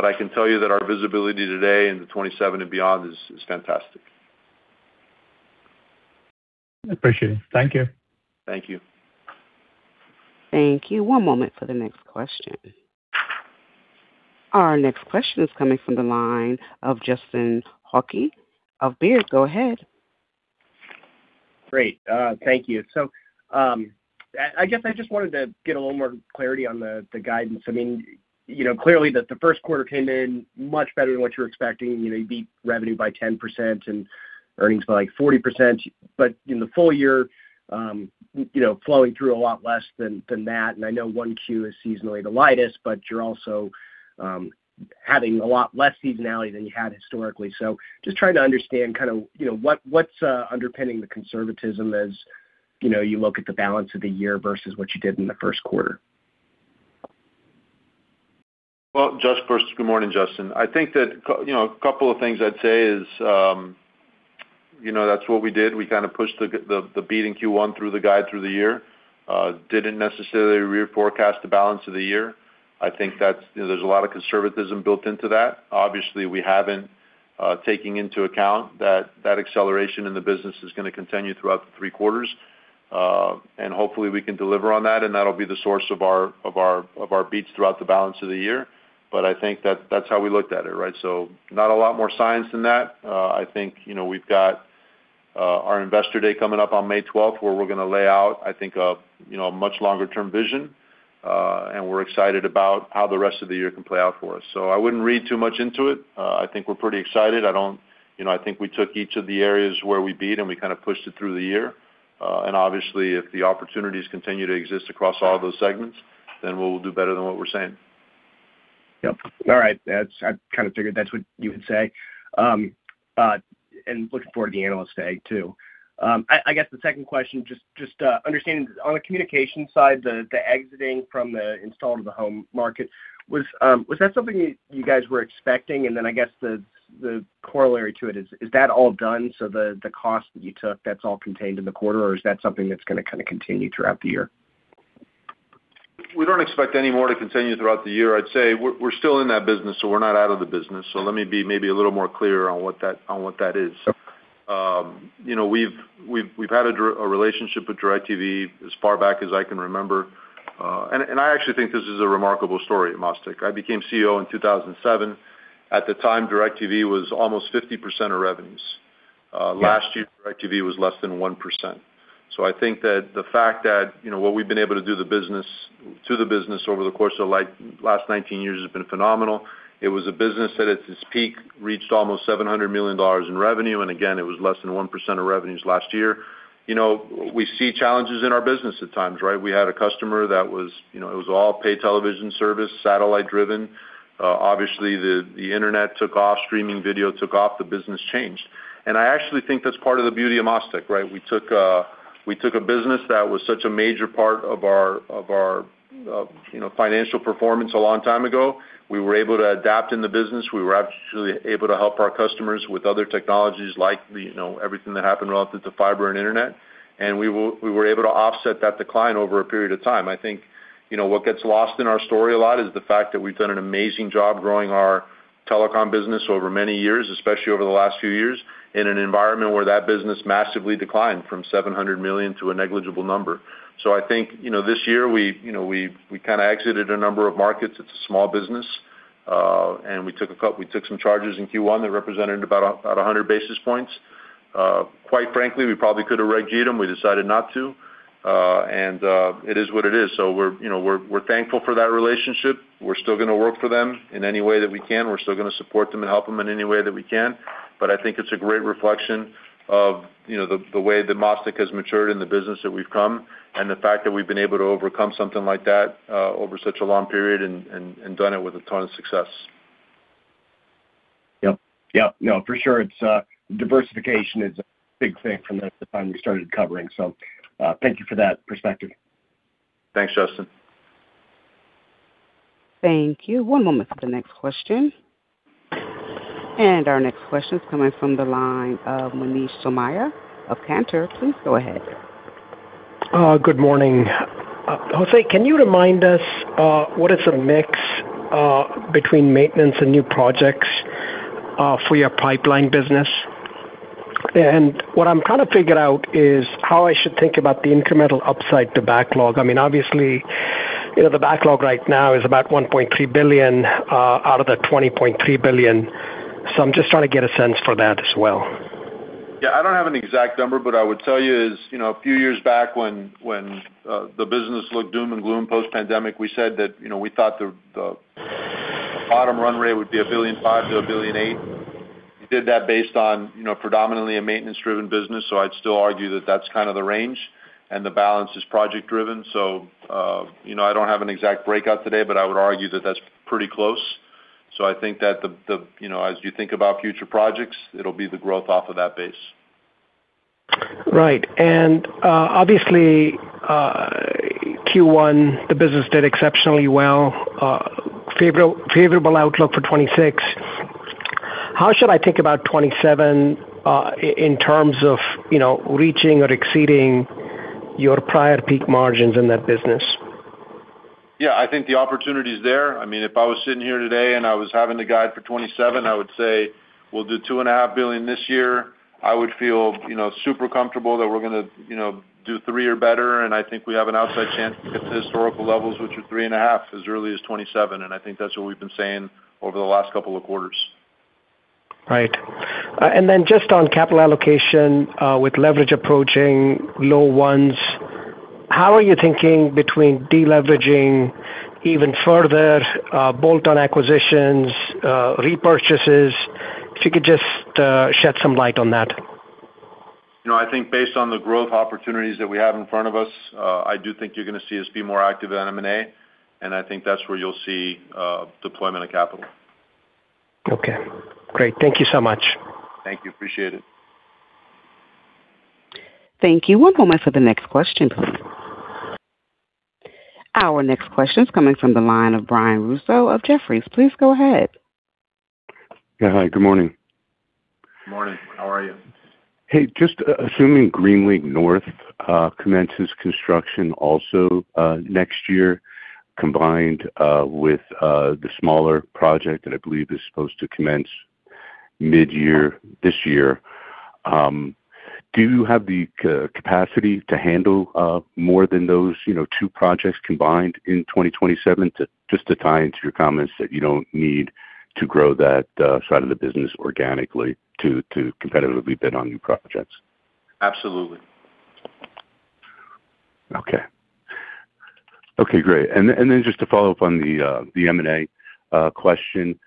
I can tell you that our visibility today in the 2027 and beyond is fantastic. Appreciate it. Thank you. Thank you. Thank you. One moment for the next question. Our next question is coming from the line of Justin Hauke of Baird. Go ahead. Great. Thank you. I guess I just wanted to get a little more clarity on the guidance. I mean, you know, clearly the first quarter came in much better than what you were expecting. You know, you beat revenue by 10% and earnings by like 40%. In the full year, you know, flowing through a lot less than that, and I know 1Q is seasonally the lightest, but you're also having a lot less seasonality than you had historically. Just trying to understand kind of, you know, what's underpinning the conservatism as, you know, you look at the balance of the year versus what you did in the first quarter. Well, first, good morning, Justin. I think that, you know, a couple of things I'd say is, you know, that's what we did. We kinda pushed the beating Q1 through the guide through the year. Didn't necessarily reforecast the balance of the year. I think that's, you know, there's a lot of conservatism built into that. Obviously, we haven't, taking into account that that acceleration in the business is gonna continue throughout the three quarters. Hopefully, we can deliver on that, and that'll be the source of our beats throughout the balance of the year. I think that that's how we looked at it, right? Not a lot more science than that. I think, you know, we've got our Investor Day coming up on May 12th, where we're gonna lay out, I think, a, you know, a much longer-term vision, and we're excited about how the rest of the year can play out for us. I wouldn't read too much into it. I think we're pretty excited. You know, I think we took each of the areas where we beat, and we kinda pushed it through the year. Obviously, if the opportunities continue to exist across all those segments, then we'll do better than what we're saying. Yep. All right. I kind of figured that's what you would say. Looking forward to the Analyst Day too. I guess the second question, just understanding on the Communications side, the exiting from the install-to-the-home market, was that something you guys were expecting? I guess the corollary to it is that all done, so the cost that you took, that's all contained in the quarter, or is that something that's gonna kinda continue throughout the year? We don't expect any more to continue throughout the year. I'd say we're still in that business. We're not out of the business. Let me be maybe a little more clear on what that, on what that is. You know, we've had a relationship with DirecTV as far back as I can remember, and I actually think this is a remarkable story at MasTec. I became CEO in 2007. At the time, DirecTV was almost 50% of revenues. Last year, DirecTV was less than 1%. I think that the fact that, you know, what we've been able to do to the business over the course of last 19 years has been phenomenal. It was a business that at its peak reached almost $700 million in revenue. Again, it was less than 1% of revenues last year. You know, we see challenges in our business at times, right? We had a customer that was, you know, it was all pay television service, satellite-driven. Obviously, the Internet took off, streaming video took off, the business changed. I actually think that's part of the beauty of MasTec, right? We took a business that was such a major part of our, you know, financial performance a long time ago. We were able to adapt in the business. We were absolutely able to help our customers with other technologies like the, you know, everything that happened relative to fiber and Internet. We were able to offset that decline over a period of time. You know, what gets lost in our story a lot is the fact that we've done an amazing job growing our telecom business over many years, especially over the last few years, in an environment where that business massively declined from $700 million to a negligible number. You know, this year we, you know, we kinda exited a number of markets. It's a small business. We took some charges in Q1 that represented about 100 basis points. Quite frankly, we probably could have Reg G'd them. We decided not to. It is what it is. We're, you know, we're thankful for that relationship. We're still gonna work for them in any way that we can. We're still gonna support them and help them in any way that we can. I think it's a great reflection of, you know, the way that MasTec has matured in the business that we've come and the fact that we've been able to overcome something like that, over such a long period and done it with a ton of success. Yep. Yep. No, for sure. It's, diversification is a big thing from the time we started covering. Thank you for that perspective. Thanks, Justin. Thank you. One moment for the next question. Our next question is coming from the line of Manish Somaiya of Cantor. Please go ahead. Good morning. José, can you remind us, what is the mix between maintenance and new projects for your pipeline business? What I'm trying to figure out is how I should think about the incremental upside to backlog. I mean, obviously, you know, the backlog right now is about $1.3 billion out of the $20.3 billion. I'm just trying to get a sense for that as well. Yeah. I don't have an exact number, but I would tell you is, you know, a few years back when the business looked doom and gloom post-pandemic, we said that, you know, we thought the bottom run rate would be $1.5 billion-$1.8 billion. We did that based on, you know, predominantly a maintenance-driven business, so I'd still argue that that's kind of the range, and the balance is project-driven. You know, I don't have an exact breakout today, but I would argue that that's pretty close. I think that the, you know, as you think about future projects, it'll be the growth off of that base. Right. Obviously, Q1, the business did exceptionally well. Favorable, favorable outlook for 2026. How should I think about 2027, in terms of, you know, reaching or exceeding your prior peak margins in that business? Yeah. I think the opportunity is there. I mean, if I was sitting here today and I was having to guide for 2027, I would say we'll do $2.5 billion this year. I would feel, you know, super comfortable that we're gonna, you know, do three or better. I think we have an outside chance to get to historical levels, which are $3.5 billion as early as 2027. I think that's what we've been saying over the last couple of quarters. Right. Just on capital allocation, with leverage approaching low ones, how are you thinking between deleveraging even further, bolt-on acquisitions, repurchases? If you could just shed some light on that. You know, I think based on the growth opportunities that we have in front of us, I do think you're gonna see us be more active in M&A, and I think that's where you'll see deployment of capital. Okay. Great. Thank you so much. Thank you. Appreciate it. Thank you. One moment for the next question. Our next question is coming from the line of Brian Russo of Jefferies. Please go ahead. Yeah. Hi, good morning. Morning. How are you? Hey, just assuming Greenlink North commences construction also next year combined with the smaller project that I believe is supposed to commence mid-year this year, do you have the capacity to handle more than those, you know, two projects combined in 2027? Just to tie into your comments that you don't need to grow that side of the business organically to competitively bid on new projects. Absolutely. Okay. Great. Then just to follow up on the M&A question,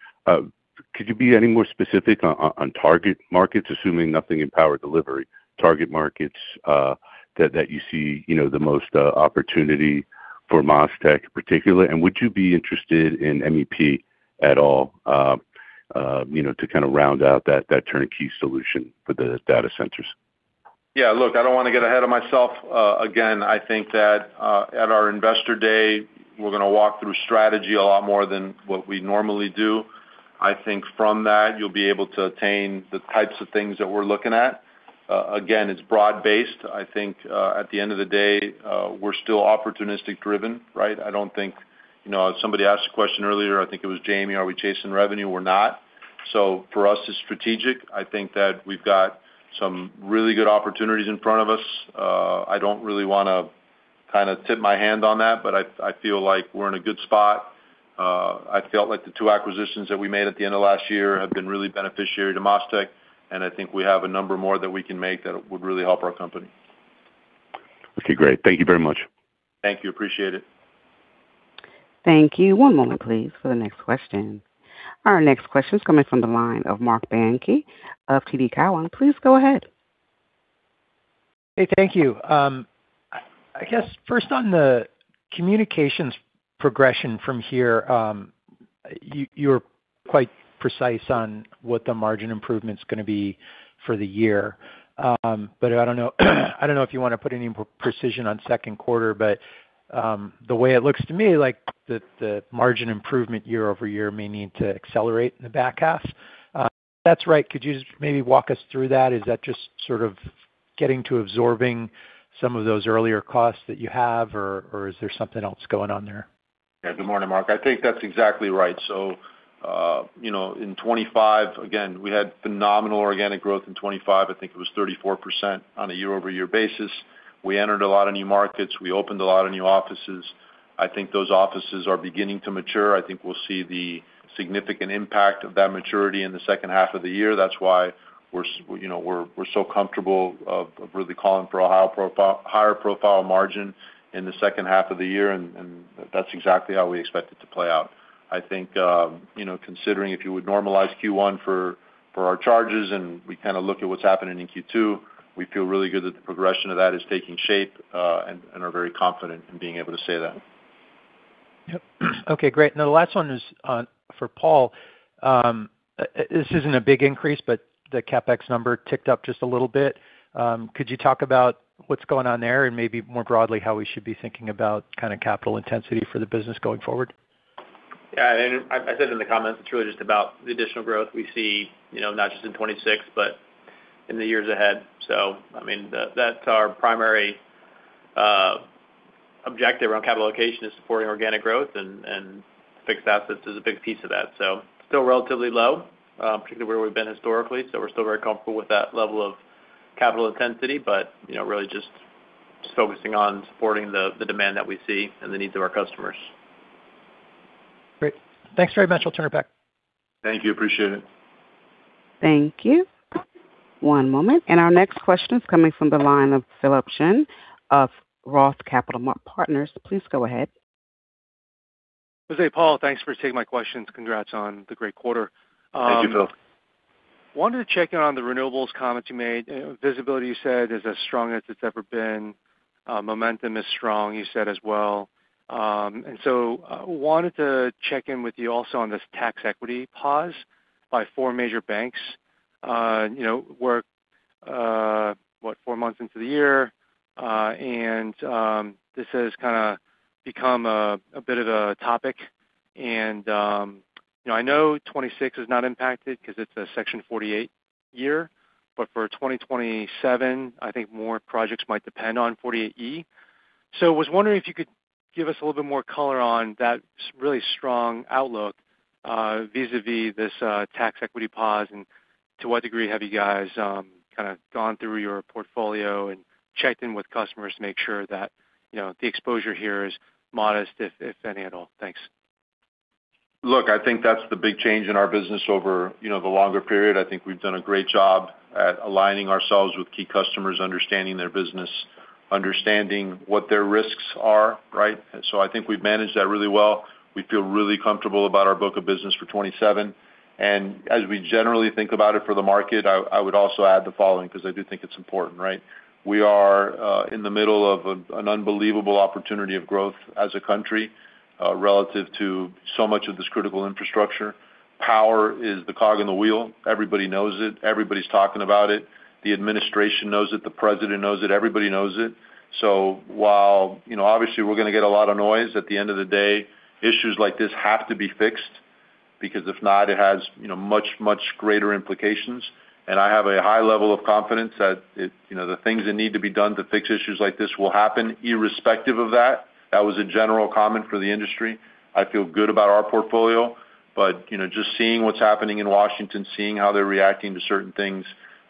could you be any more specific on target markets, assuming nothing in Power Delivery, target markets that you see, you know, the most opportunity for MasTec particular? Would you be interested in MEP at all, you know, to kind of round out that turnkey solution for the data centers? Look, I don't want to get ahead of myself. I think that at our Investor Day, we're going to walk through strategy a lot more than what we normally do. I think from that, you'll be able to attain the types of things that we're looking at. It's broad-based. I think at the end of the day, we're still opportunistic driven, right? I don't think, you know, somebody asked a question earlier, I think it was Jamie, are we chasing revenue? We're not. For us, it's strategic. I think that we've got some really good opportunities in front of us. I don't really want to kind of tip my hand on that, but I feel like we're in a good spot. I felt like the two acquisitions that we made at the end of last year have been really beneficiary to MasTec, and I think we have a number more that we can make that would really help our company. Okay, great. Thank you very much. Thank you. Appreciate it. Thank you. One moment, please, for the next question. Our next question is coming from the line of Marc Bianchi of TD Cowen. Please go ahead. Hey, thank you. I guess first on the Communications progression from here, you're quite precise on what the margin improvement's gonna be for the year. But I don't know, I don't know if you wanna put any precision on second quarter, but the way it looks to me, like, the margin improvement year-over-year may need to accelerate in the back half. That's right. Could you just maybe walk us through that? Is that just sort of getting to absorbing some of those earlier costs that you have, or is there something else going on there? Yeah. Good morning, Marc. I think that's exactly right. You know, in 2025, again, we had phenomenal organic growth in 2025. I think it was 34% on a year-over-year basis. We entered a lot of new markets. We opened a lot of new offices. I think those offices are beginning to mature. I think we'll see the significant impact of that maturity in the second half of the year. That's why we're, you know, we're so comfortable of really calling for a higher profile margin in the second half of the year, and that's exactly how we expect it to play out. I think, you know, considering if you would normalize Q1 for our charges, and we kind of look at what's happening in Q2, we feel really good that the progression of that is taking shape, and are very confident in being able to say that. Yep. Okay, great. Now the last one is for Paul. This isn't a big increase, but the CapEx number ticked up just a little bit. Could you talk about what's going on there and maybe more broadly, how we should be thinking about kind of capital intensity for the business going forward? Yeah. I said it in the comments, it's really just about the additional growth we see, you know, not just in 2026, but in the years ahead. I mean, that's our primary objective around capital allocation is supporting organic growth and fixed assets is a big piece of that. Still relatively low, particularly where we've been historically. We're still very comfortable with that level of capital intensity, but, you know, really just focusing on supporting the demand that we see and the needs of our customers. Great. Thanks very much. I'll turn it back. Thank you. Appreciate it. Thank you. One moment. Our next question is coming from the line of Philip Shen of Roth Capital Partners. Please go ahead. José, Paul, thanks for taking my questions. Congrats on the great quarter. Thank you, Phil. Wanted to check in on the renewables comments you made. Visibility, you said, is as strong as it's ever been. Momentum is strong, you said as well. Wanted to check in with you also on this tax equity pause by four major banks. You know, we're what, four months into the year, and this has kind of become a bit of a topic. You know, I know 2026 is not impacted 'cause it's a Section 48 year, but for 2027, I think more projects might depend on Section 48E. I was wondering if you could give us a little bit more color on that really strong outlook vis-a-vis this tax equity pause, and to what degree have you guys kinda gone through your portfolio and checked in with customers to make sure that, you know, the exposure here is modest, if any at all? Thanks. Look, I think that's the big change in our business over, you know, the longer period. I think we've done a great job at aligning ourselves with key customers, understanding their business, understanding what their risks are, right? I think we've managed that really well. We feel really comfortable about our book of business for 2027. As we generally think about it for the market, I would also add the following because I do think it's important, right? We are in the middle of an unbelievable opportunity of growth as a country, relative to so much of this critical infrastructure. Power is the cog in the wheel. Everybody knows it. Everybody's talking about it. The administration knows it. The president knows it. Everybody knows it. While, you know, obviously, we're going to get a lot of noise, at the end of the day, issues like this have to be fixed because if not, it has, you know, much, much greater implications. I have a high level of confidence that, you know, the things that need to be done to fix issues like this will happen irrespective of that. That was a general comment for the industry. I feel good about our portfolio, but, you know, just seeing what's happening in Washington, seeing how they're reacting to certain things,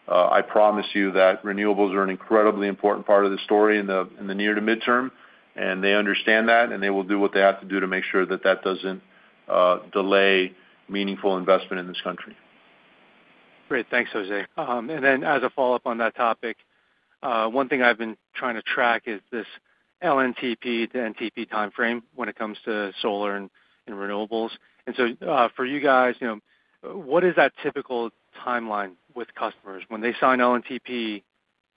I promise you that renewables are an incredibly important part of the story in the, in the near to midterm, and they understand that, and they will do what they have to do to make sure that that doesn't delay meaningful investment in this country. Great. Thanks, José. Then as a follow-up on that topic, one thing I've been trying to track is this LNTP to NTP timeframe when it comes to solar and renewables. For you guys, what is that typical timeline with customer? When they saw an LNTP,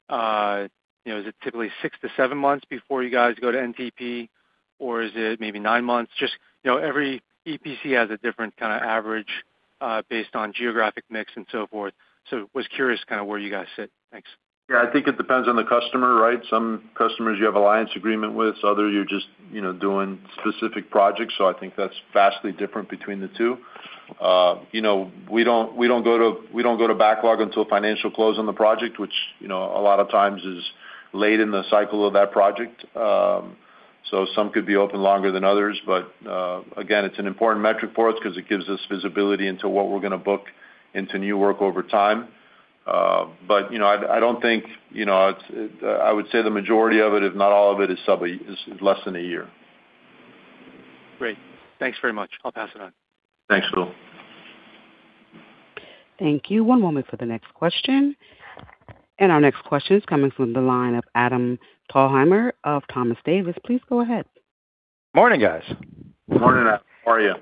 that's typically six to seven months before you go to NTP. Or it maybe nine months? Just you know, EPC has kind of a different average based on geographic mix and so forth. Was curious where you goinna sit next. Yeah. I think it depends on the customer, right? Some customers you have alliance agreement with, others you're just, you know, doing specific projects. I think that's vastly different between the two. You know, we don't go to backlog until financial close on the project, which, you know, a lot ofx is late in the cycle of that project. Some could be open longer than others, but, again, it's an important metric for us 'cause it gives us visibility into what we're gonna book into new work over time. You know, I don't think, you know, I would say the majority of it, if not all of it, is less than a year. Great. Thanks very much. I'll pass it on. Thanks, Phil. Thank you. One moment for the next question. Our next question is coming from the line of Adam Thalhimer of Thompson Davis. Please go ahead. Morning, guys. Morning, Adam. How are you?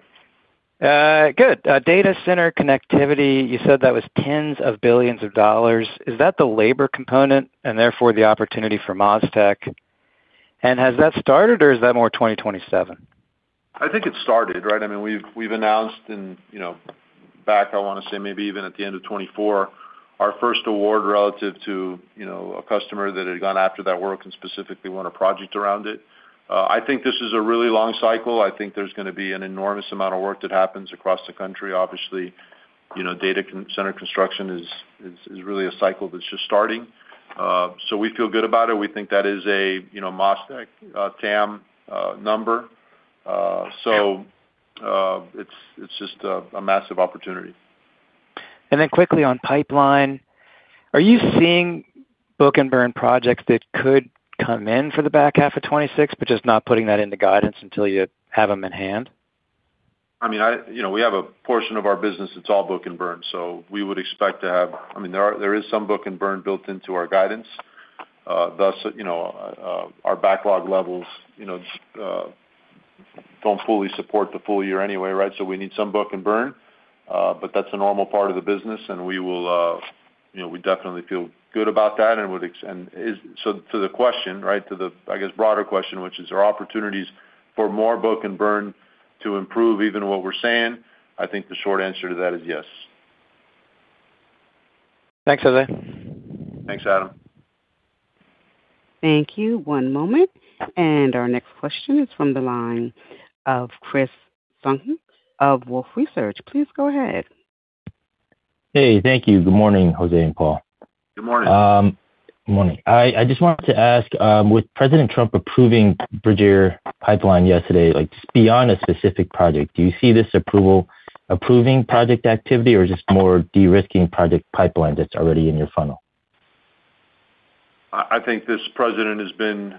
Good. Data center connectivity, you said that was tens of billions of dollars. Is that the labor component and therefore the opportunity for MasTec? Has that started or is that more 2027? I think it started, right? I mean, we've announced in, you know, back, I wanna say maybe even at the end of 2024, our first award relative to, you know, a customer that had gone after that work and specifically won a project around it. I think this is a really long cycle. I think there's gonna be an enormous amount of work that happens across the country. Obviously, you know, data center construction is really a cycle that's just starting. We feel good about it. We think that is a, you know, massive TAM number. It's just a massive opportunity. Quickly on pipeline, are you seeing book-and-burn projects that could come in for the back half of 2026, but just not putting that into guidance until you have them in hand? I mean, you know, we have a portion of our business that's all book and burn, so we would expect. I mean, there is some book and burn built into our guidance. Thus, you know, our backlog levels, you know, don't fully support the full year anyway, right? We need some book and burn, but that's a normal part of the business and we will, you know, we definitely feel good about that. To the question, right, to the, I guess, broader question, which is, are opportunities for more book and burn to improve even what we're saying, I think the short answer to that is yes. Thanks, José. Thanks, Adam. Thank you. One moment. Our next question is from the line of Chris Senyek of Wolfe Research. Please go ahead. Hey, thank you. Good morning, José and Paul. Good morning. Good morning. I just wanted to ask, with President Trump approving Bridger Pipeline yesterday, like just beyond a specific project, do you see this approval approving project activity or just more de-risking project pipeline that's already in your funnel? I think this president has been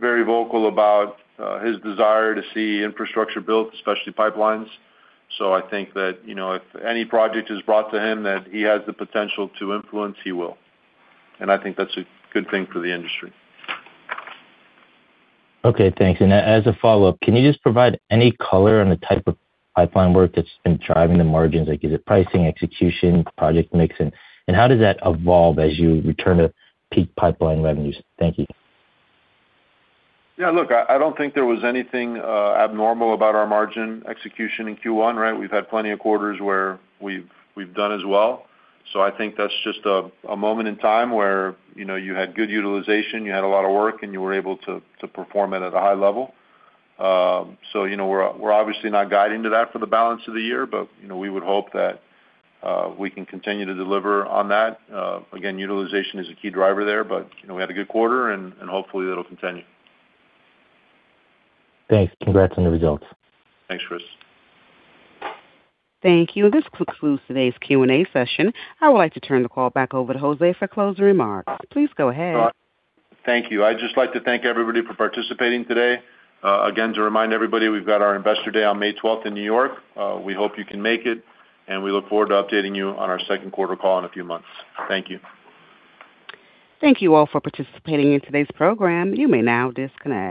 very vocal about his desire to see infrastructure built, especially pipelines. I think that, you know, if any project is brought to him that he has the potential to influence, he will. I think that's a good thing for the industry. Okay, thanks. As a follow-up, can you just provide any color on the type of pipeline work that's been driving the margins? Like, is it pricing, execution, project mix, and how does that evolve as you return to peak pipeline revenues? Thank you. Yeah, look, I don't think there was anything abnormal about our margin execution in Q1, right? We've had plenty of quarters where we've done as well. I think that's just a moment in time where, you know, you had good utilization, you had a lot of work, and you were able to perform it at a high level. You know, we're obviously not guiding to that for the balance of the year, but, you know, we would hope that we can continue to deliver on that. Again, utilization is a key driver there, but, you know, we had a good quarter and hopefully that'll continue. Thanks. Congrats on the results. Thanks, Chris. Thank you. This concludes today's Q&A session. I would like to turn the call back over to José for closing remarks. Please go ahead. Thank you. I'd just like to thank everybody for participating today. Again, to remind everybody, we've got our Investor Day on May 12th in New York. We hope you can make it, and we look forward to updating you on our second quarter call in a few months. Thank you. Thank you all for participating in today's program. You may now disconnect.